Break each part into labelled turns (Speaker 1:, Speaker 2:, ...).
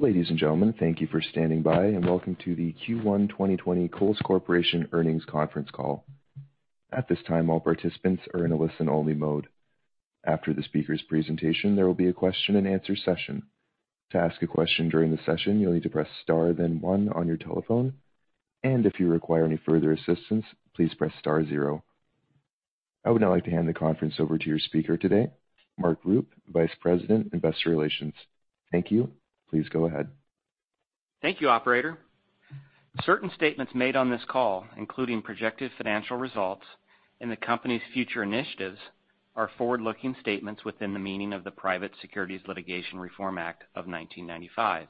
Speaker 1: Ladies and gentlemen, thank you for standing by, welcome to the Q1 2021 Kohl's Corporation earnings conference call. At this time, all participants are in a listen-only mode. After the speaker's presentation, there will be a question-and-answer session. To ask a question during the session, you'll need to press star then one on your telephone. If you require any further assistance, please press star zero. I would now like to hand the conference over to your speaker today, Mark Rupe, Vice President, Investor Relations. Thank you. Please go ahead.
Speaker 2: Thank you, operator. Certain statements made on this call, including projected financial results and the company's future initiatives, are forward-looking statements within the meaning of the Private Securities Litigation Reform Act of 1995.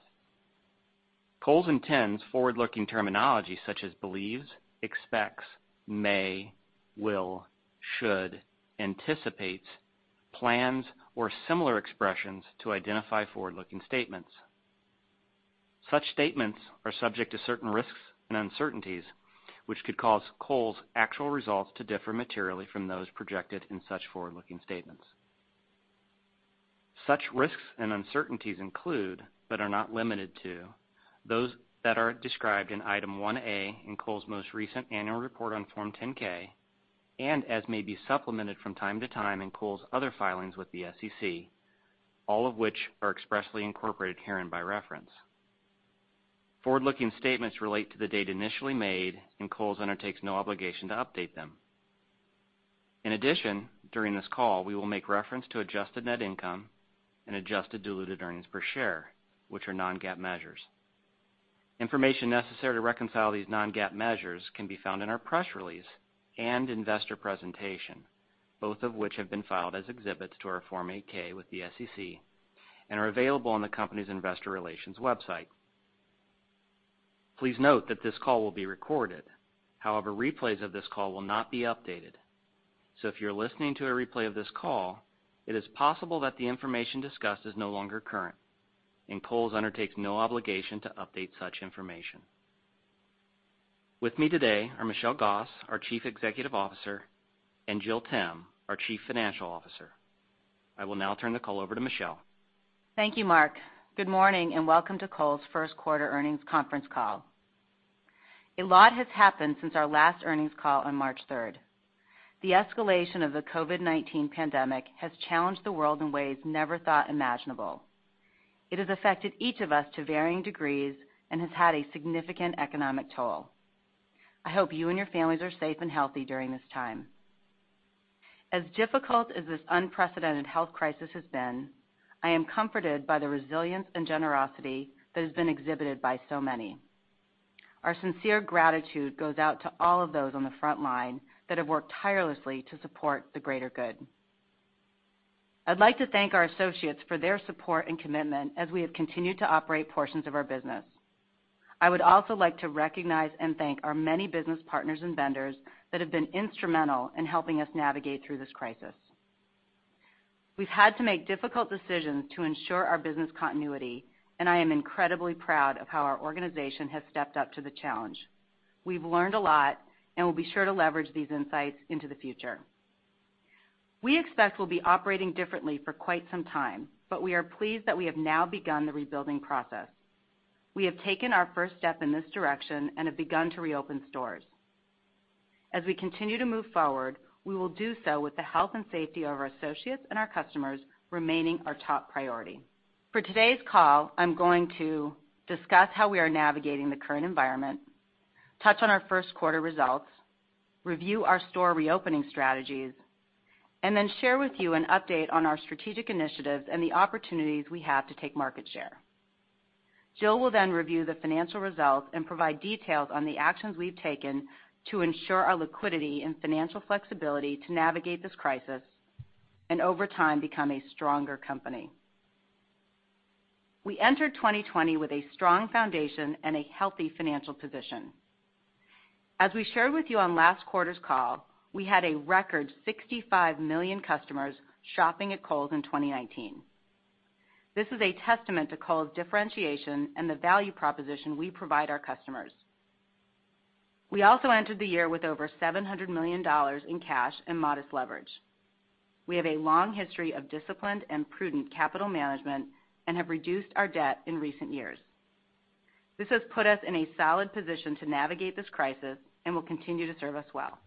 Speaker 2: Kohl's intends forward-looking terminology such as believes, expects, may, will, should, anticipates, plans, or similar expressions to identify forward-looking statements. Such statements are subject to certain risks and uncertainties, which could cause Kohl's actual results to differ materially from those projected in such forward-looking statements. Such risks and uncertainties include, but are not limited to, those that are described in Item 1A in Kohl's most recent annual report on Form 10-K and as may be supplemented from time to time in Kohl's other filings with the SEC, all of which are expressly incorporated herein by reference. Forward-looking statements relate to the date initially made, and Kohl's undertakes no obligation to update them. During this call, we will make reference to adjusted net income and adjusted diluted earnings per share, which are non-GAAP measures. Information necessary to reconcile these non-GAAP measures can be found in our press release and investor presentation, both of which have been filed as exhibits to our Form 8-K with the SEC and are available on the company's investor relations website. Please note that this call will be recorded. Replays of this call will not be updated. If you're listening to a replay of this call, it is possible that the information discussed is no longer current, and Kohl's undertakes no obligation to update such information. With me today are Michelle Gass, our Chief Executive Officer, and Jill Timm, our Chief Financial Officer. I will now turn the call over to Michelle.
Speaker 3: Thank you, Mark. Good morning, and welcome to Kohl's first quarter earnings conference call. A lot has happened since our last earnings call on March 3rd. The escalation of the COVID-19 pandemic has challenged the world in ways never thought imaginable. It has affected each of us to varying degrees and has had a significant economic toll. I hope you and your families are safe and healthy during this time. As difficult as this unprecedented health crisis has been, I am comforted by the resilience and generosity that has been exhibited by so many. Our sincere gratitude goes out to all of those on the front line that have worked tirelessly to support the greater good. I'd like to thank our associates for their support and commitment as we have continued to operate portions of our business. I would also like to recognize and thank our many business partners and vendors that have been instrumental in helping us navigate through this crisis. We've had to make difficult decisions to ensure our business continuity, and I am incredibly proud of how our organization has stepped up to the challenge. We've learned a lot, and we'll be sure to leverage these insights into the future. We expect we'll be operating differently for quite some time, but we are pleased that we have now begun the rebuilding process. We have taken our first step in this direction and have begun to reopen stores. As we continue to move forward, we will do so with the health and safety of our associates and our customers remaining our top priority. For today's call, I'm going to discuss how we are navigating the current environment, touch on our first quarter results, review our store reopening strategies, and then share with you an update on our strategic initiatives and the opportunities we have to take market share. Jill will then review the financial results and provide details on the actions we've taken to ensure our liquidity and financial flexibility to navigate this crisis and over time, become a stronger company. We entered 2020 with a strong foundation and a healthy financial position. As we shared with you on last quarter's call, we had a record 65 million customers shopping at Kohl's in 2019. This is a testament to Kohl's differentiation and the value proposition we provide our customers. We also entered the year with over $700 million in cash and modest leverage. We have a long history of disciplined and prudent capital management and have reduced our debt in recent years. This has put us in a solid position to navigate this crisis and will continue to serve us well.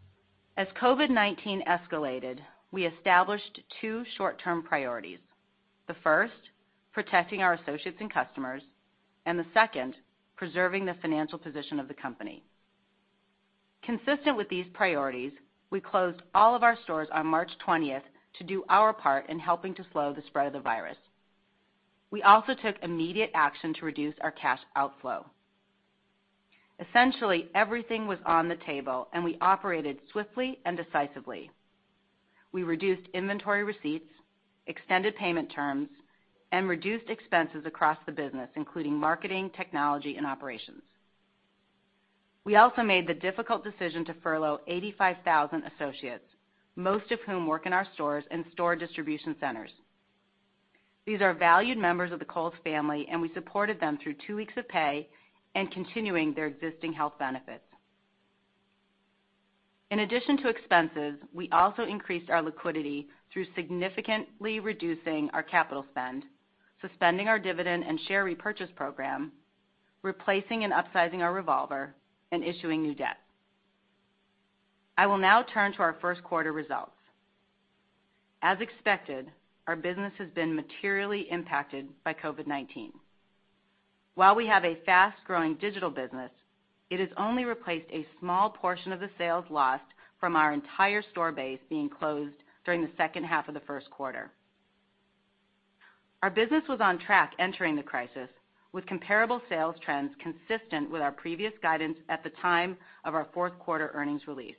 Speaker 3: As COVID-19 escalated, we established two short-term priorities. The first, protecting our associates and customers, the second, preserving the financial position of the company. Consistent with these priorities, we closed all of our stores on March 20th to do our part in helping to slow the spread of the virus. We also took immediate action to reduce our cash outflow. Essentially, everything was on the table, we operated swiftly and decisively. We reduced inventory receipts, extended payment terms, reduced expenses across the business, including marketing, technology, and operations. We also made the difficult decision to furlough 85,000 associates, most of whom work in our stores and store distribution centers. These are valued members of the Kohl's family, and we supported them through two weeks of pay and continuing their existing health benefits. In addition to expenses, we also increased our liquidity through significantly reducing our capital spend, suspending our dividend and share repurchase program, replacing and upsizing our revolver, and issuing new debt. I will now turn to our first quarter results. As expected, our business has been materially impacted by COVID-19. While we have a fast-growing digital business, it has only replaced a small portion of the sales lost from our entire store base being closed during the second half of the first quarter. Our business was on track entering the crisis, with comparable sales trends consistent with our previous guidance at the time of our fourth quarter earnings release.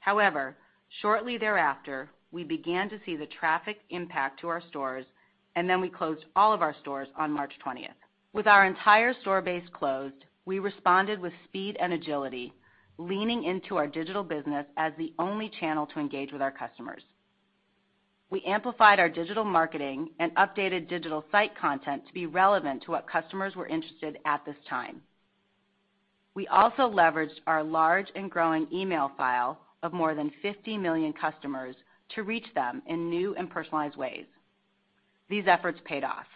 Speaker 3: However, shortly thereafter, we began to see the traffic impact to our stores, then we closed all of our stores on March 20th. With our entire store base closed, we responded with speed and agility, leaning into our digital business as the only channel to engage with our customers. We amplified our digital marketing and updated digital site content to be relevant to what customers were interested at this time. We also leveraged our large and growing email file of more than 50 million customers to reach them in new and personalized ways. These efforts paid off.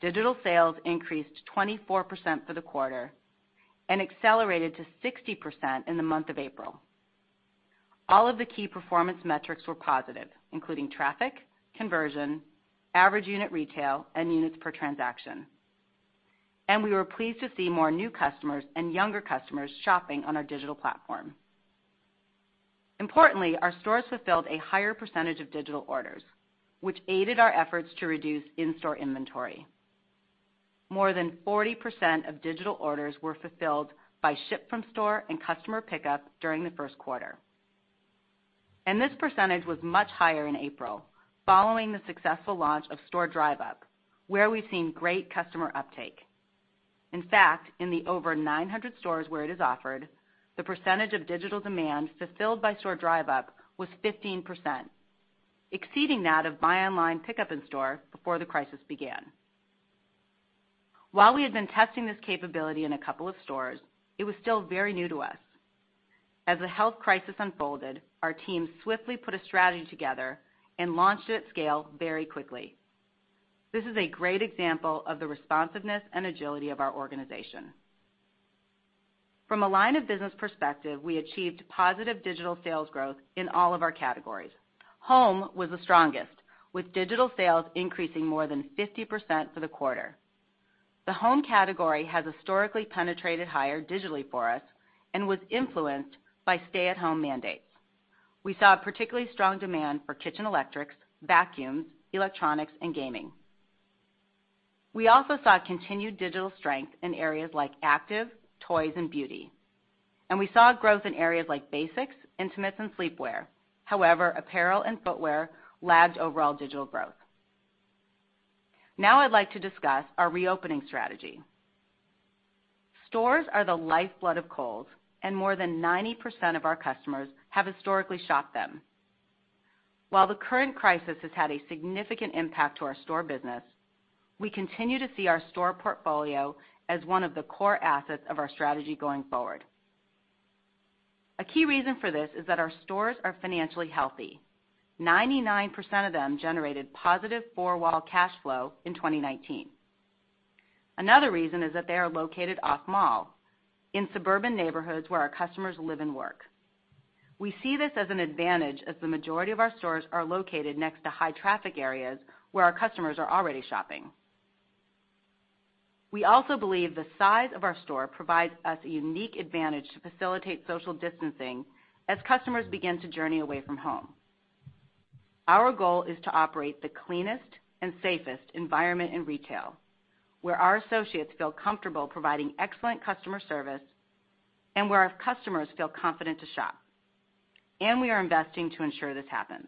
Speaker 3: Digital sales increased 24% for the quarter and accelerated to 60% in the month of April. All of the key performance metrics were positive, including traffic, conversion, average unit retail, and units per transaction. We were pleased to see more new customers and younger customers shopping on our digital platform. Importantly, our stores fulfilled a higher percentage of digital orders, which aided our efforts to reduce in-store inventory. More than 40% of digital orders were fulfilled by ship from store and customer pickup during the first quarter. This percentage was much higher in April, following the successful launch of store Drive Up, where we've seen great customer uptake. In fact, in the over 900 stores where it is offered, the percentage of digital demand fulfilled by store Drive Up was 15%, exceeding that of buy online pickup in store before the crisis began. While we had been testing this capability in a couple of stores, it was still very new to us. As the health crisis unfolded, our team swiftly put a strategy together and launched it at scale very quickly. This is a great example of the responsiveness and agility of our organization. From a line of business perspective, we achieved positive digital sales growth in all of our categories. Home was the strongest, with digital sales increasing more than 50% for the quarter. The home category has historically penetrated higher digitally for us and was influenced by stay-at-home mandates. We saw a particularly strong demand for kitchen electrics, vacuums, electronics, and gaming. We also saw continued digital strength in areas like active, toys, and beauty. We saw growth in areas like basics, intimates, and sleepwear. However, apparel and footwear lagged overall digital growth. Now I'd like to discuss our reopening strategy. Stores are the lifeblood of Kohl's, and more than 90% of our customers have historically shopped them. While the current crisis has had a significant impact to our store business, we continue to see our store portfolio as one of the core assets of our strategy going forward. A key reason for this is that our stores are financially healthy. 99% of them generated positive four-wall cash flow in 2019. Another reason is that they are located off-mall, in suburban neighborhoods where our customers live and work. We see this as an advantage as the majority of our stores are located next to high-traffic areas where our customers are already shopping. We also believe the size of our store provides us a unique advantage to facilitate social distancing as customers begin to journey away from home. Our goal is to operate the cleanest and safest environment in retail, where our associates feel comfortable providing excellent customer service and where our customers feel confident to shop, and we are investing to ensure this happens.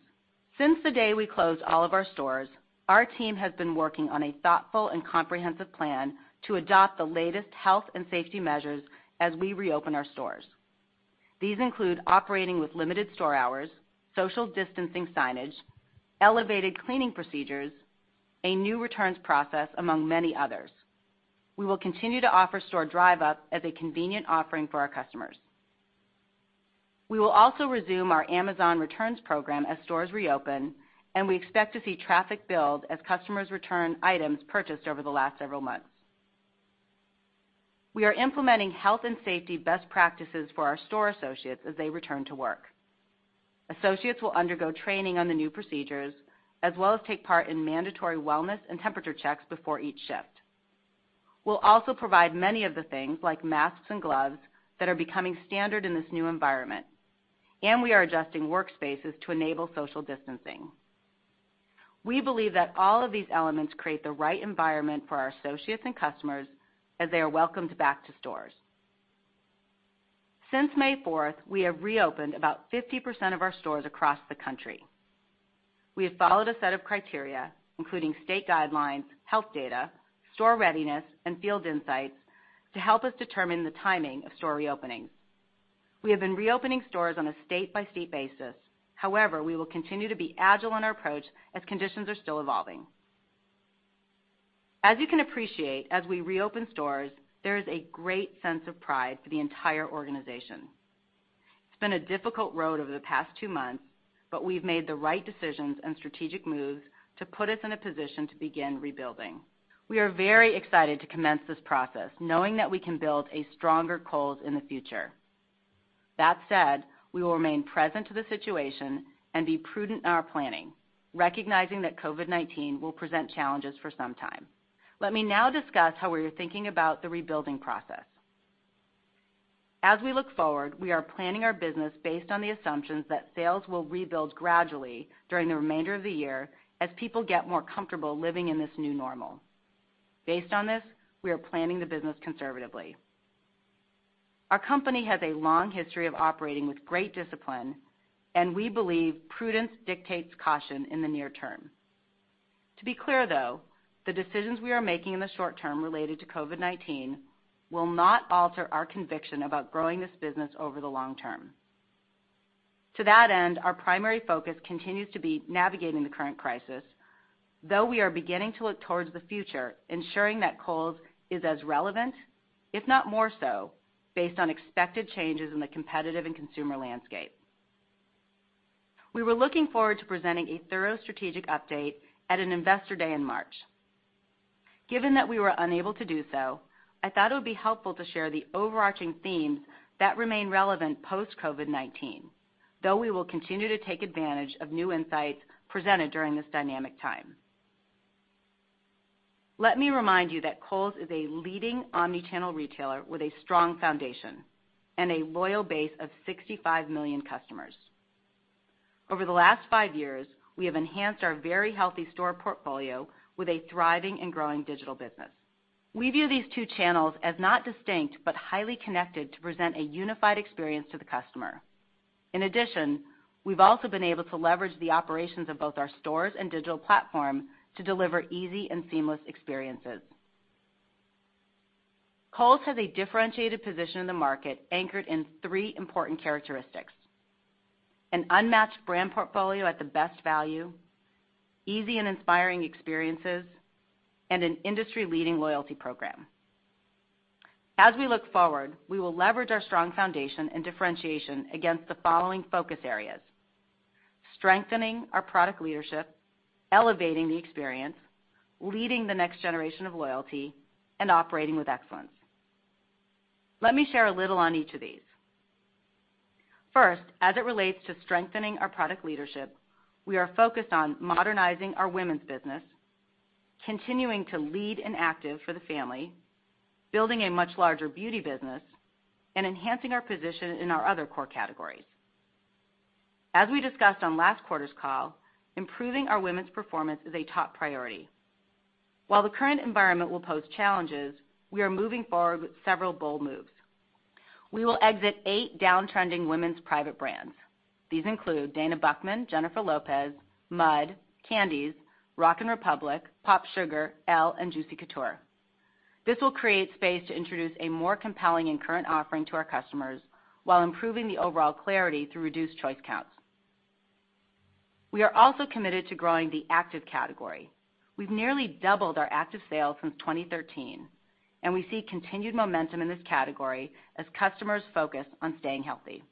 Speaker 3: Since the day we closed all of our stores, our team has been working on a thoughtful and comprehensive plan to adopt the latest health and safety measures as we reopen our stores. These include operating with limited store hours, social distancing signage, elevated cleaning procedures, a new returns process, among many others. We will continue to offer store Drive Up as a convenient offering for our customers. We will also resume our Amazon returns program as stores reopen, and we expect to see traffic build as customers return items purchased over the last several months. We are implementing health and safety best practices for our store associates as they return to work. Associates will undergo training on the new procedures, as well as take part in mandatory wellness and temperature checks before each shift. We'll also provide many of the things, like masks and gloves, that are becoming standard in this new environment, and we are adjusting workspaces to enable social distancing. We believe that all of these elements create the right environment for our associates and customers as they are welcomed back to stores. Since May 4th, we have reopened about 50% of our stores across the country. We have followed a set of criteria, including state guidelines, health data, store readiness, and field insights to help us determine the timing of store reopening. We have been reopening stores on a state-by-state basis. We will continue to be agile in our approach as conditions are still evolving. As you can appreciate, as we reopen stores, there is a great sense of pride for the entire organization. It's been a difficult road over the past two months, we've made the right decisions and strategic moves to put us in a position to begin rebuilding. We are very excited to commence this process, knowing that we can build a stronger Kohl's in the future. That said, we will remain present to the situation and be prudent in our planning, recognizing that COVID-19 will present challenges for some time. Let me now discuss how we are thinking about the rebuilding process. As we look forward, we are planning our business based on the assumptions that sales will rebuild gradually during the remainder of the year as people get more comfortable living in this new normal. Based on this, we are planning the business conservatively. Our company has a long history of operating with great discipline, and we believe prudence dictates caution in the near term. To be clear, though, the decisions we are making in the short term related to COVID-19 will not alter our conviction about growing this business over the long term. To that end, our primary focus continues to be navigating the current crisis, though we are beginning to look towards the future, ensuring that Kohl's is as relevant, if not more so, based on expected changes in the competitive and consumer landscape. We were looking forward to presenting a thorough strategic update at an investor day in March. Given that we were unable to do so, I thought it would be helpful to share the overarching themes that remain relevant post COVID-19. We will continue to take advantage of new insights presented during this dynamic time. Let me remind you that Kohl's is a leading omni-channel retailer with a strong foundation and a loyal base of 65 million customers. Over the last five years, we have enhanced our very healthy store portfolio with a thriving and growing digital business. We view these two channels as not distinct, but highly connected to present a unified experience to the customer. We've also been able to leverage the operations of both our stores and digital platform to deliver easy and seamless experiences. Kohl's has a differentiated position in the market anchored in three important characteristics. An unmatched brand portfolio at the best value, easy and inspiring experiences, and an industry-leading loyalty program. We look forward, we will leverage our strong foundation and differentiation against the following focus areas. Strengthening our product leadership, elevating the experience, leading the next generation of loyalty, and operating with excellence. Let me share a little on each of these. First, as it relates to strengthening our product leadership, we are focused on modernizing our women's business, continuing to lead in active for the family, building a much larger beauty business, and enhancing our position in our other core categories. As we discussed on last quarter's call, improving our women's performance is a top priority. While the current environment will pose challenges, we are moving forward with several bold moves. We will exit eight downtrending women's private brands. These include Dana Buchman, Jennifer Lopez, Mudd, Candie's, Rock & Republic, POPSUGAR, Elle, and Juicy Couture. This will create space to introduce a more compelling and current offering to our customers while improving the overall clarity through reduced choice counts. We are also committed to growing the active category. We've nearly doubled our active sales since 2013, and we see continued momentum in this category as customers focus on staying healthy.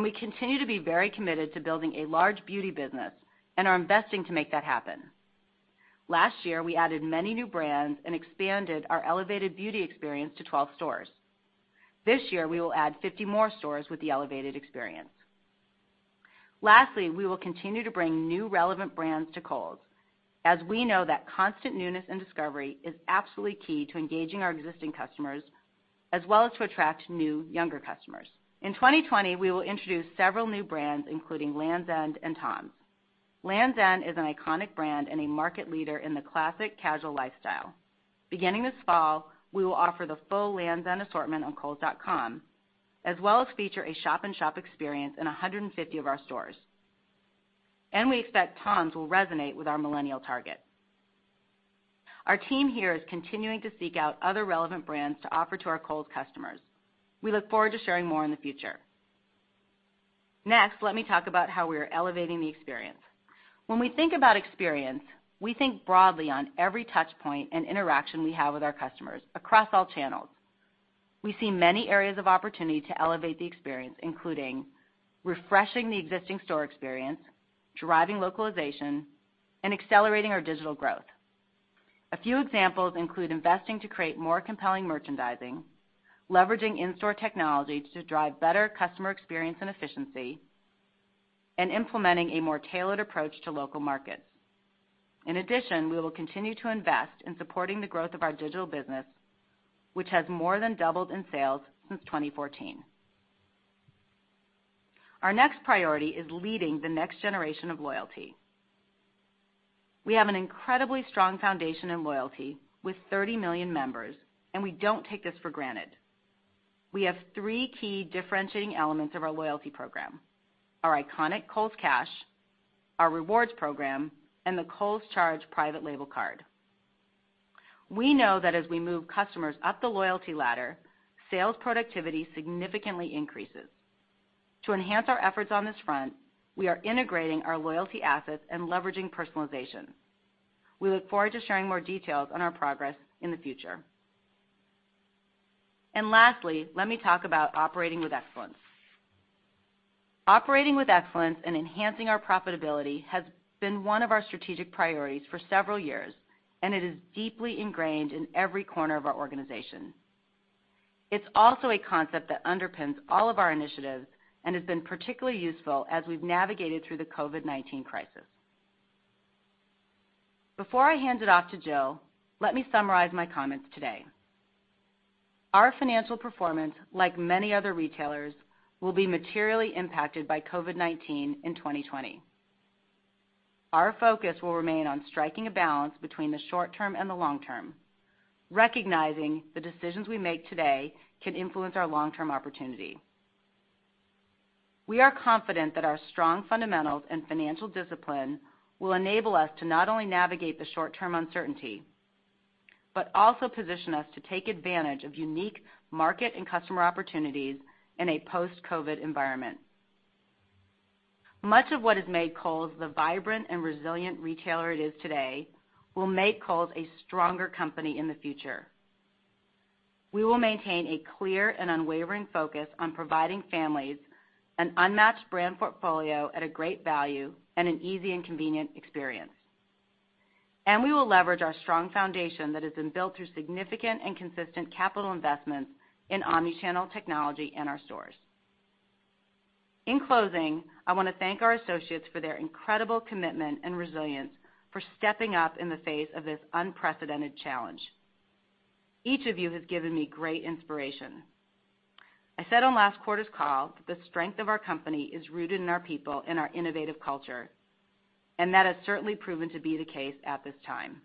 Speaker 3: We continue to be very committed to building a large beauty business and are investing to make that happen. Last year, we added many new brands and expanded our elevated beauty experience to 12 stores. This year, we will add 50 more stores with the elevated experience. Lastly, we will continue to bring new relevant brands to Kohl's, as we know that constant newness and discovery is absolutely key to engaging our existing customers, as well as to attract new younger customers. In 2020, we will introduce several new brands, including Lands' End and TOMS. Lands' End is an iconic brand and a market leader in the classic casual lifestyle. Beginning this fall, we will offer the full Lands' End assortment on kohls.com, as well as feature a shop-in-shop experience in 150 of our stores. We expect TOMS will resonate with our millennial target. Our team here is continuing to seek out other relevant brands to offer to our Kohl's customers. We look forward to sharing more in the future. Let me talk about how we are elevating the experience. When we think about experience, we think broadly on every touch point and interaction we have with our customers across all channels. We see many areas of opportunity to elevate the experience, including refreshing the existing store experience, driving localization, and accelerating our digital growth. A few examples include investing to create more compelling merchandising, leveraging in-store technology to drive better customer experience and efficiency, and implementing a more tailored approach to local markets. We will continue to invest in supporting the growth of our digital business, which has more than doubled in sales since 2014. Our next priority is leading the next generation of loyalty. We have an incredibly strong foundation in loyalty with 30 million members, and we don't take this for granted. We have three key differentiating elements of our loyalty program. Our iconic Kohl's Cash, our rewards program, and the Kohl's Charge private label card. We know that as we move customers up the loyalty ladder, sales productivity significantly increases. To enhance our efforts on this front, we are integrating our loyalty assets and leveraging personalization. We look forward to sharing more details on our progress in the future. Lastly, let me talk about operating with excellence. Operating with excellence and enhancing our profitability has been one of our strategic priorities for several years, and it is deeply ingrained in every corner of our organization. It's also a concept that underpins all of our initiatives and has been particularly useful as we've navigated through the COVID-19 crisis. Before I hand it off to Jill, let me summarize my comments today. Our financial performance, like many other retailers, will be materially impacted by COVID-19 in 2020. Our focus will remain on striking a balance between the short term and the long term, recognizing the decisions we make today can influence our long-term opportunity. We are confident that our strong fundamentals and financial discipline will enable us to not only navigate the short-term uncertainty, but also position us to take advantage of unique market and customer opportunities in a post-COVID environment. Much of what has made Kohl's the vibrant and resilient retailer it is today will make Kohl's a stronger company in the future. We will maintain a clear and unwavering focus on providing families an unmatched brand portfolio at a great value and an easy and convenient experience. We will leverage our strong foundation that has been built through significant and consistent capital investments in omnichannel technology and our stores. In closing, I want to thank our associates for their incredible commitment and resilience for stepping up in the face of this unprecedented challenge. Each of you has given me great inspiration. I said on last quarter's call that the strength of our company is rooted in our people and our innovative culture, and that has certainly proven to be the case at this time.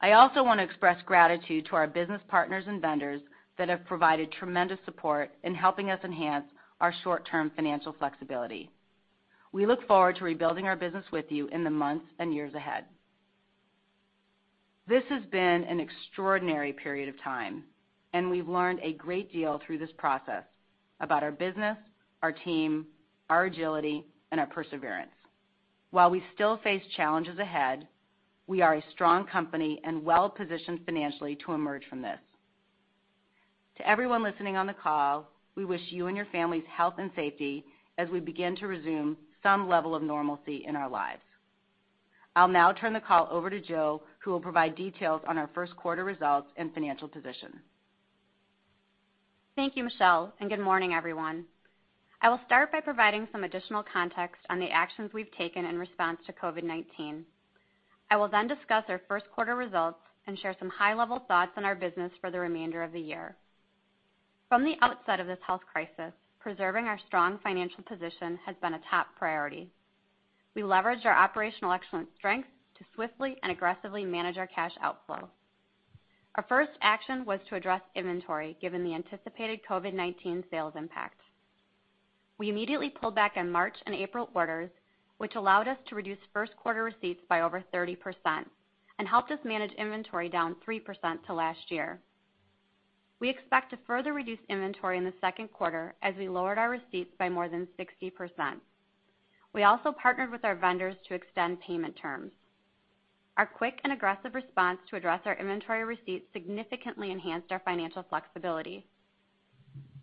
Speaker 3: I also want to express gratitude to our business partners and vendors that have provided tremendous support in helping us enhance our short-term financial flexibility. We look forward to rebuilding our business with you in the months and years ahead. This has been an extraordinary period of time, and we've learned a great deal through this process about our business, our team, our agility, and our perseverance. While we still face challenges ahead, we are a strong company and well-positioned financially to emerge from this. To everyone listening on the call, we wish you and your families health and safety as we begin to resume some level of normalcy in our lives. I'll now turn the call over to Jill, who will provide details on our first quarter results and financial position.
Speaker 4: Thank you, Michelle. Good morning, everyone. I will start by providing some additional context on the actions we've taken in response to COVID-19. I will then discuss our first quarter results and share some high-level thoughts on our business for the remainder of the year. From the outset of this health crisis, preserving our strong financial position has been a top priority. We leveraged our operational excellence strengths to swiftly and aggressively manage our cash outflow. Our first action was to address inventory given the anticipated COVID-19 sales impact. We immediately pulled back on March and April orders, which allowed us to reduce first quarter receipts by over 30% and helped us manage inventory down 3% to last year. We expect to further reduce inventory in the second quarter as we lowered our receipts by more than 60%. We also partnered with our vendors to extend payment terms. Our quick and aggressive response to address our inventory receipts significantly enhanced our financial flexibility.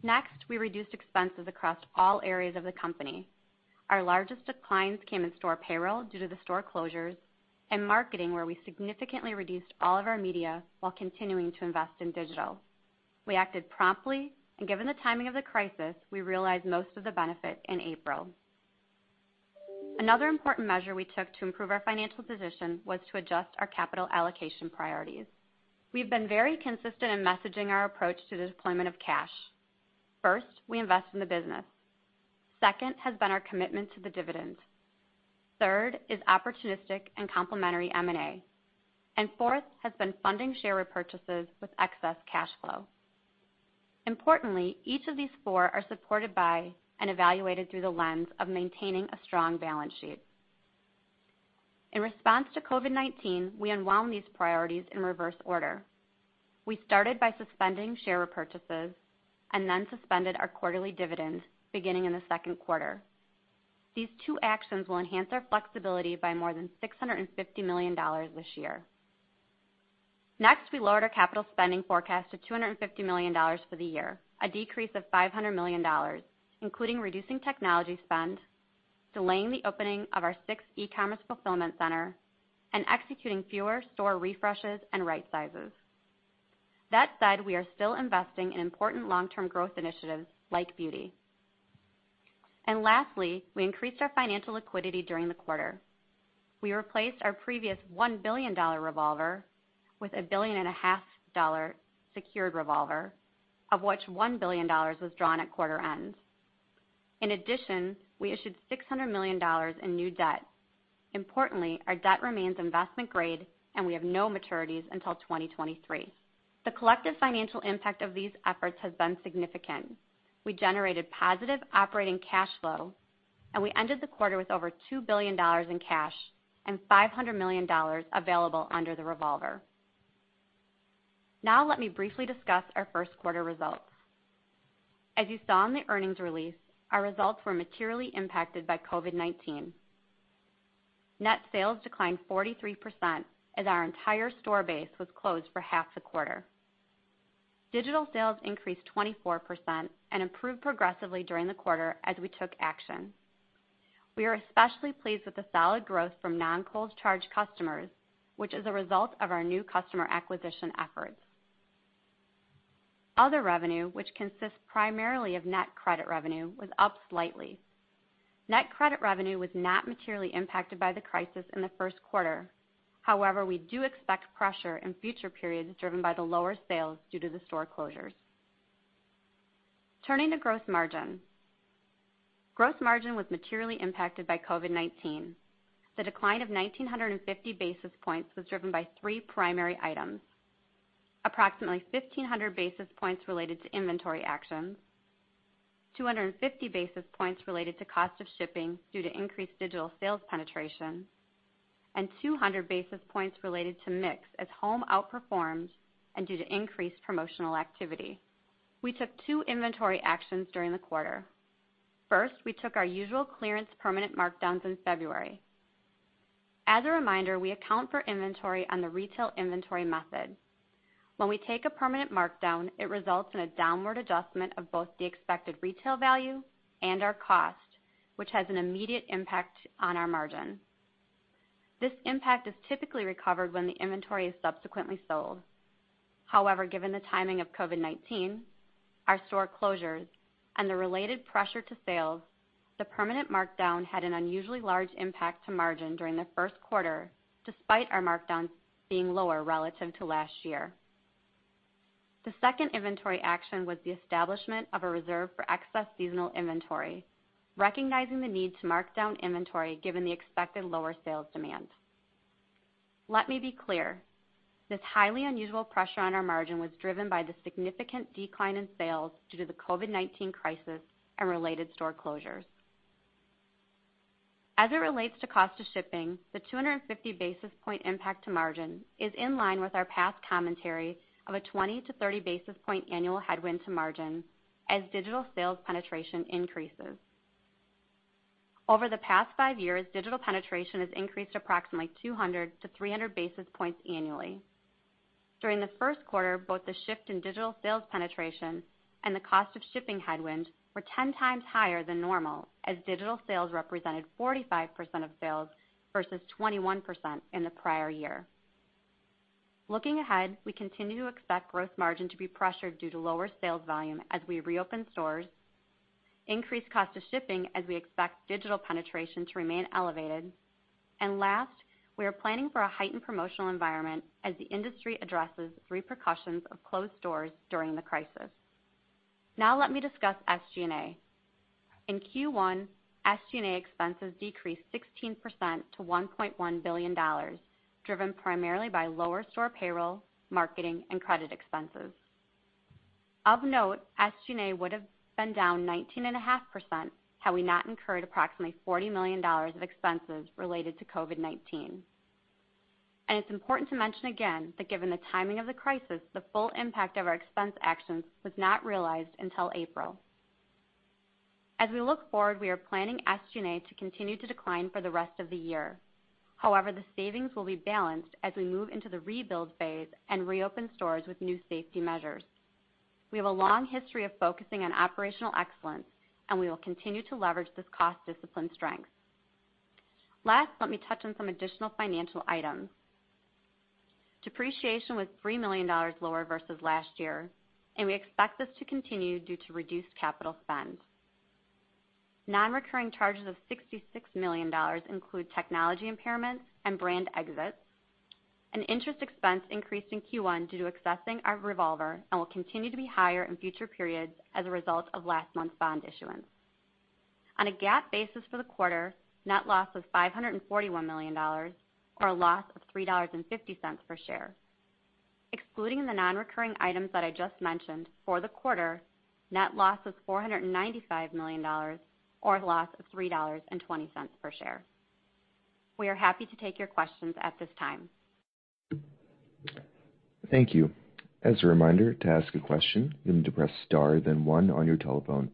Speaker 4: Next, we reduced expenses across all areas of the company. Our largest declines came in store payroll due to the store closures and marketing, where we significantly reduced all of our media while continuing to invest in digital. We acted promptly, and given the timing of the crisis, we realized most of the benefit in April. Another important measure we took to improve our financial position was to adjust our capital allocation priorities. We've been very consistent in messaging our approach to the deployment of cash. First, we invest in the business. Second has been our commitment to the dividend. Third is opportunistic and complementary M&A. Fourth has been funding share repurchases with excess cash flow. Importantly, each of these four are supported by and evaluated through the lens of maintaining a strong balance sheet. In response to COVID-19, we unwound these priorities in reverse order. We started by suspending share repurchases and then suspended our quarterly dividend beginning in the second quarter. These two actions will enhance our flexibility by more than $650 million this year. We lowered our capital spending forecast to $250 million for the year, a decrease of $500 million, including reducing technology spend, delaying the opening of our sixth e-commerce fulfillment center, and executing fewer store refreshes and right sizes. That said, we are still investing in important long-term growth initiatives like beauty. Lastly, we increased our financial liquidity during the quarter. We replaced our previous $1 billion revolver with a billion and a half dollar secured revolver, of which $1 billion was drawn at quarter end. In addition, we issued $600 million in new debt. Importantly, our debt remains investment grade, and we have no maturities until 2023. The collective financial impact of these efforts has been significant. We generated positive operating cash flow, and we ended the quarter with over $2 billion in cash and $500 million available under the revolver. Now let me briefly discuss our first quarter results. As you saw in the earnings release, our results were materially impacted by COVID-19. Net sales declined 43% as our entire store base was closed for half the quarter. Digital sales increased 24% and improved progressively during the quarter as we took action. We are especially pleased with the solid growth from non-Kohl's Charge customers, which is a result of our new customer acquisition efforts. Other revenue, which consists primarily of net credit revenue, was up slightly. Net credit revenue was not materially impacted by the crisis in the first quarter. We do expect pressure in future periods driven by the lower sales due to the store closures. Turning to gross margin. Gross margin was materially impacted by COVID-19. The decline of 1,950 basis points was driven by three primary items. Approximately 1,500 basis points related to inventory actions, 250 basis points related to cost of shipping due to increased digital sales penetration, and 200 basis points related to mix as home outperforms and due to increased promotional activity. We took two inventory actions during the quarter. First, we took our usual clearance permanent markdowns in February. As a reminder, we account for inventory on the retail inventory method. When we take a permanent markdown, it results in a downward adjustment of both the expected retail value and our cost, which has an immediate impact on our margin. This impact is typically recovered when the inventory is subsequently sold. However, given the timing of COVID-19, our store closures, and the related pressure to sales, the permanent markdown had an unusually large impact to margin during the first quarter, despite our markdowns being lower relative to last year. The second inventory action was the establishment of a reserve for excess seasonal inventory, recognizing the need to mark down inventory given the expected lower sales demand. Let me be clear, this highly unusual pressure on our margin was driven by the significant decline in sales due to the COVID-19 crisis and related store closures. As it relates to cost of shipping, the 250 basis point impact to margin is in line with our past commentary of a 20 to 30 basis point annual headwind to margin as digital sales penetration increases. Over the past five years, digital penetration has increased approximately 200 to 300 basis points annually. During the first quarter, both the shift in digital sales penetration and the cost of shipping headwind were 10 times higher than normal as digital sales represented 45% of sales versus 21% in the prior year. Looking ahead, we continue to expect gross margin to be pressured due to lower sales volume as we reopen stores, increased cost of shipping as we expect digital penetration to remain elevated, and last, we are planning for a heightened promotional environment as the industry addresses repercussions of closed stores during the crisis. Now let me discuss SG&A. In Q1, SG&A expenses decreased 16% to $1.1 billion, driven primarily by lower store payroll, marketing, and credit expenses. Of note, SG&A would've been down 19.5% had we not incurred approximately $40 million of expenses related to COVID-19. It's important to mention again that given the timing of the crisis, the full impact of our expense actions was not realized until April. As we look forward, we are planning SG&A to continue to decline for the rest of the year. However, the savings will be balanced as we move into the rebuild phase and reopen stores with new safety measures. We have a long history of focusing on operational excellence, and we will continue to leverage this cost discipline strength. Last, let me touch on some additional financial items. Depreciation was $3 million lower versus last year, and we expect this to continue due to reduced capital spend. Non-recurring charges of $66 million include technology impairments and brand exits. Interest expense increased in Q1 due to accessing our revolver and will continue to be higher in future periods as a result of last month's bond issuance. On a GAAP basis for the quarter, net loss was $541 million, or a loss of $3.50 per share. Excluding the non-recurring items that I just mentioned for the quarter, net loss was $495 million, or a loss of $3.20 per share. We are happy to take your questions at this time.
Speaker 1: Thank you. As a reminder, to ask a question, you need to press star then one on your telephone.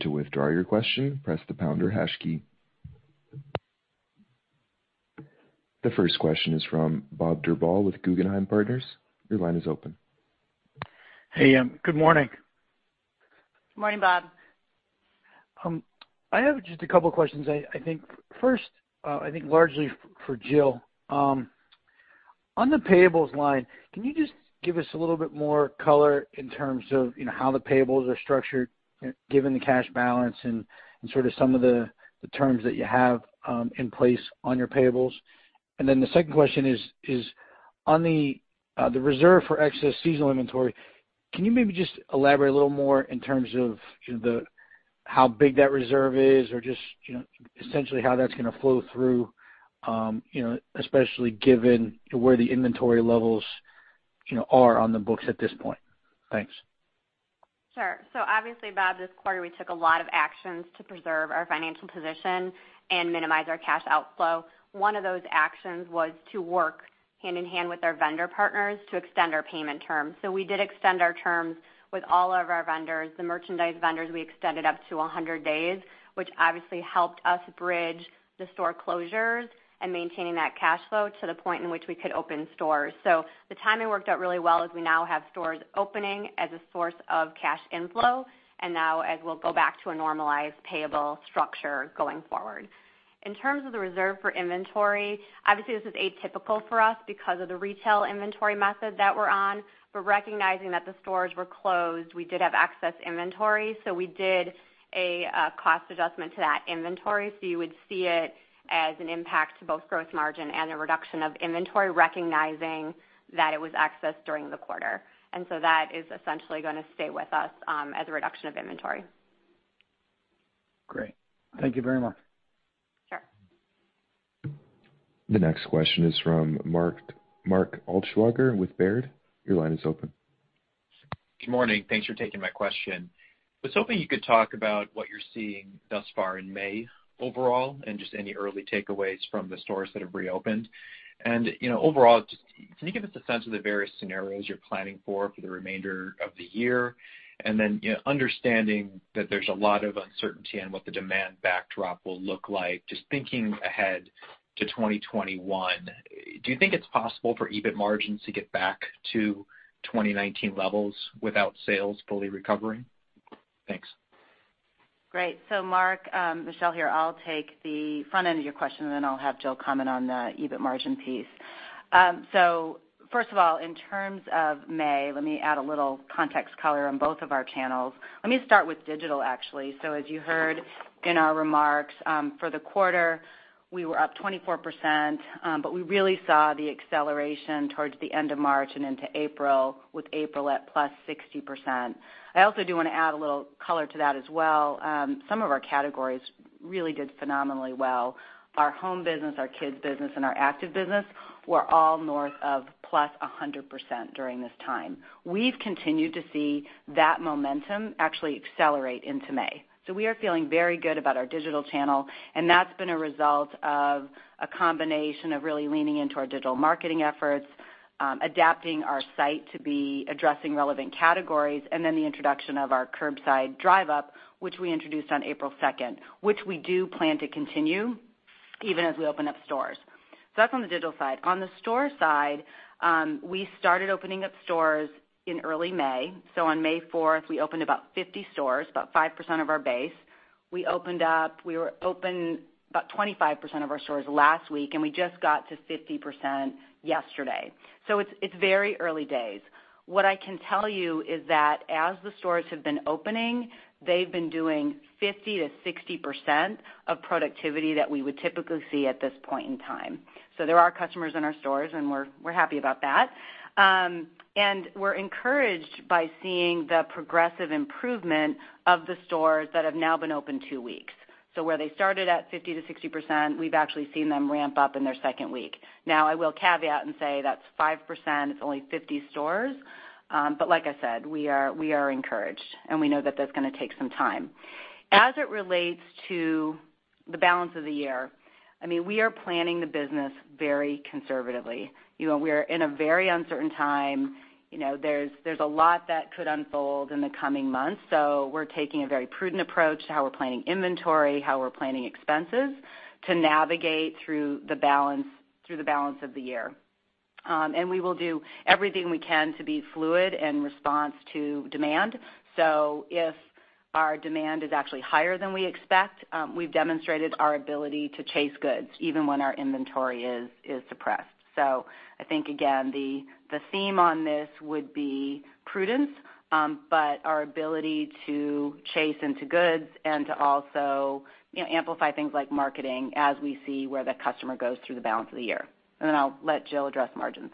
Speaker 1: To withdraw your question, press the pound or hash key. The first question is from Bob Drbul, Analyst with Guggenheim Partners. Your line is open.
Speaker 5: Hey, good morning.
Speaker 4: Morning, Bob.
Speaker 5: I have just a couple questions. First, I think largely for Jill. On the payables line, can you just give us a little bit more color in terms of how the payables are structured given the cash balance and sort of some of the terms that you have in place on your payables? The second question is, on the reserve for excess seasonal inventory, can you maybe just elaborate a little more in terms of how big that reserve is or just essentially how that's going to flow through, especially given where the inventory levels are on the books at this point? Thanks.
Speaker 4: Obviously, Bob Drbul, this quarter we took a lot of actions to preserve our financial position and minimize our cash outflow. One of those actions was to work hand-in-hand with our vendor partners to extend our payment terms. We did extend our terms with all of our vendors. The merchandise vendors, we extended up to 100 days, which obviously helped us bridge the store closures and maintaining that cash flow to the point in which we could open stores. The timing worked out really well as we now have stores opening as a source of cash inflow, and now as we'll go back to a normalized payable structure going forward. In terms of the reserve for inventory, obviously this is atypical for us because of the retail inventory method that we're on. Recognizing that the stores were closed, we did have excess inventory, so we did a cost adjustment to that inventory. You would see it as an impact to both gross margin and a reduction of inventory, recognizing that it was excess during the quarter. That is essentially going to stay with us as a reduction of inventory.
Speaker 5: Great. Thank you very much.
Speaker 4: Sure.
Speaker 1: The next question is from Mark Altschwager with Baird. Your line is open.
Speaker 6: Good morning. Thanks for taking my question. I was hoping you could talk about what you're seeing thus far in May overall, and just any early takeaways from the stores that have reopened. Overall, just can you give us a sense of the various scenarios you're planning for the remainder of the year? Understanding that there's a lot of uncertainty on what the demand backdrop will look like, just thinking ahead to 2021, do you think it's possible for EBIT margins to get back to 2019 levels without sales fully recovering? Thanks.
Speaker 3: Great. Mark, Michelle here. I'll take the front end of your question, and then I'll have Jill comment on the EBIT margin piece. In terms of May, let me add a little context color on both of our channels. Let me start with digital, actually. As you heard in our remarks, for the quarter, we were up 24%, but we really saw the acceleration towards the end of March and into April, with April at plus 60%. I also do want to add a little color to that as well. Some of our categories really did phenomenally well. Our home business, our kids business, and our active business were all north of plus 100% during this time. We've continued to see that momentum actually accelerate into May. We are feeling very good about our digital channel, and that's been a result of a combination of really leaning into our digital marketing efforts, adapting our site to be addressing relevant categories, and then the introduction of our Drive Up, which we introduced on April 2nd, which we do plan to continue even as we open up stores. That's on the digital side. On the store side, we started opening up stores in early May. On May 4th, we opened about 50 stores, about 5% of our base. We opened about 25% of our stores last week, and we just got to 50% yesterday. It's very early days. What I can tell you is that as the stores have been opening, they've been doing 50%-60% of productivity that we would typically see at this point in time. There are customers in our stores, and we're happy about that. We're encouraged by seeing the progressive improvement of the stores that have now been open two weeks. Where they started at 50%-60%, we've actually seen them ramp up in their second week. Now, I will caveat and say that's 5%, it's only 50 stores. Like I said, we are encouraged, and we know that that's going to take some time. As it relates to the balance of the year, we are planning the business very conservatively. We are in a very uncertain time. There's a lot that could unfold in the coming months. We're taking a very prudent approach to how we're planning inventory, how we're planning expenses to navigate through the balance of the year. We will do everything we can to be fluid in response to demand. If our demand is actually higher than we expect, we've demonstrated our ability to chase goods even when our inventory is suppressed. I think, again, the theme on this would be prudence, but our ability to chase into goods and to also amplify things like marketing as we see where the customer goes through the balance of the year. Then I'll let Jill address margins.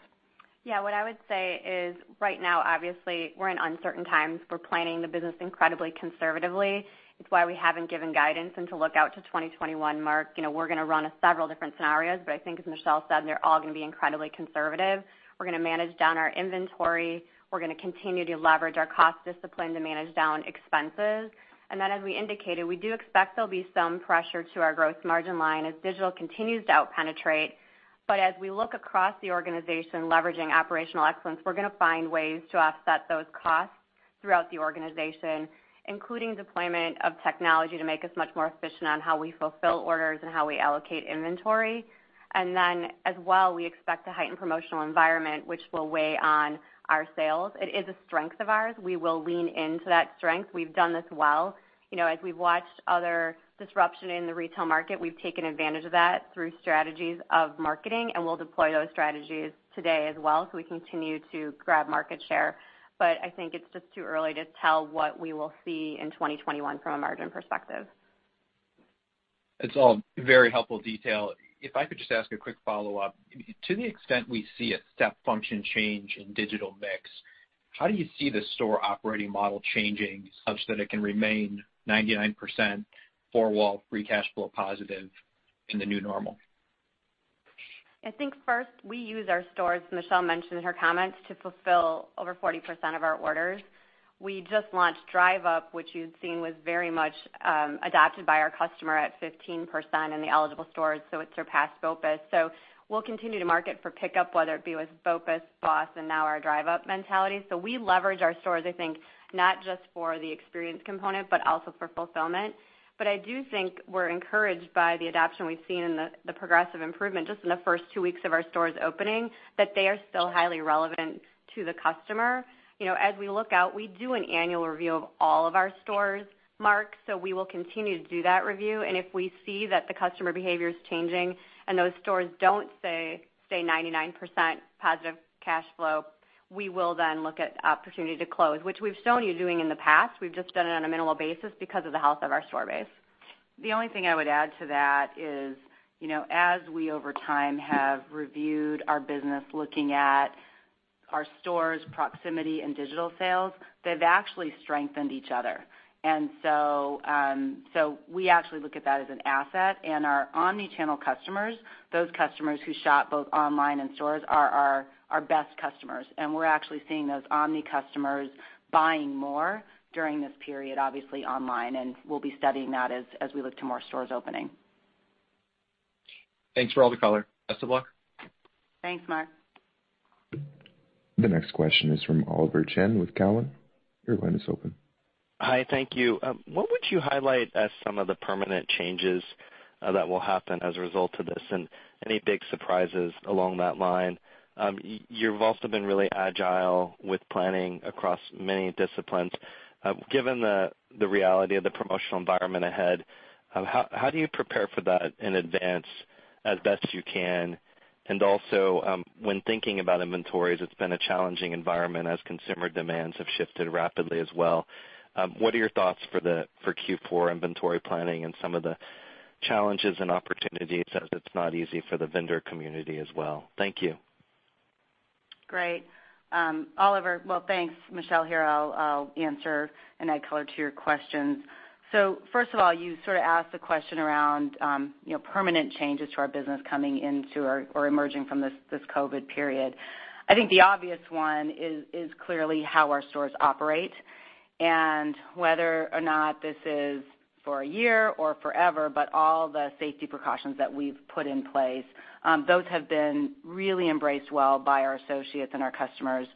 Speaker 4: What I would say is right now, obviously, we're in uncertain times. We're planning the business incredibly conservatively. It's why we haven't given guidance. To look out to 2021, Mark, we're going to run several different scenarios, but I think as Michelle said, they're all going to be incredibly conservative. We're going to manage down our inventory. We're going to continue to leverage our cost discipline to manage down expenses. As we indicated, we do expect there'll be some pressure to our gross margin line as digital continues to out-penetrate. As we look across the organization leveraging operational excellence, we're going to find ways to offset those costs throughout the organization, including deployment of technology to make us much more efficient on how we fulfill orders and how we allocate inventory. As well, we expect a heightened promotional environment which will weigh on our sales. It is a strength of ours. We will lean into that strength. We've done this well. As we've watched other disruption in the retail market, we've taken advantage of that through strategies of marketing, and we'll deploy those strategies today as well so we continue to grab market share. I think it's just too early to tell what we will see in 2021 from a margin perspective.
Speaker 6: It's all very helpful detail. If I could just ask a quick follow-up. To the extent we see a step function change in digital mix, how do you see the store operating model changing such that it can remain 99% four-wall free cash flow positive in the new normal?
Speaker 4: I think first, we use our stores, Michelle mentioned in her comments, to fulfill over 40% of our orders. We just launched Drive Up, which you've seen was very much adopted by our customer at 15% in the eligible stores. It surpassed BOPUS. We'll continue to market for pickup, whether it be with BOPUS, BOSS, and now our Drive Up mentality. I do think we're encouraged by the adoption we've seen and the progressive improvement just in the first two weeks of our stores opening, that they are still highly relevant to the customer. As we look out, we do an annual review of all of our stores, Mark, so we will continue to do that review, and if we see that the customer behavior is changing and those stores don't stay 99% positive cash flow, we will then look at opportunity to close, which we've shown you doing in the past. We've just done it on a minimal basis because of the health of our store base.
Speaker 3: The only thing I would add to that is, as we over time have reviewed our business, looking at our stores' proximity and digital sales, they've actually strengthened each other. We actually look at that as an asset. Our omni-channel customers, those customers who shop both online and stores, are our best customers. We're actually seeing those omni customers buying more during this period, obviously online, and we'll be studying that as we look to more stores opening.
Speaker 6: Thanks for all the color. Best of luck.
Speaker 3: Thanks, Mark.
Speaker 1: The next question is from Oliver Chen with Cowen. Your line is open.
Speaker 7: Hi, thank you. What would you highlight as some of the permanent changes that will happen as a result of this, and any big surprises along that line? You've also been really agile with planning across many disciplines. Given the reality of the promotional environment ahead, how do you prepare for that in advance as best you can? When thinking about inventories, it's been a challenging environment as consumer demands have shifted rapidly as well. What are your thoughts for Q4 inventory planning and some of the challenges and opportunities, as it's not easy for the vendor community as well? Thank you.
Speaker 3: Great, Oliver. Thanks, Michelle here. I'll answer and add color to your questions. First of all, you sort of asked the question around permanent changes to our business coming into or emerging from this COVID period. I think the obvious one is clearly how our stores operate and whether or not this is for a year or forever, but all the safety precautions that we've put in place, those have been really embraced well by our associates and our customers.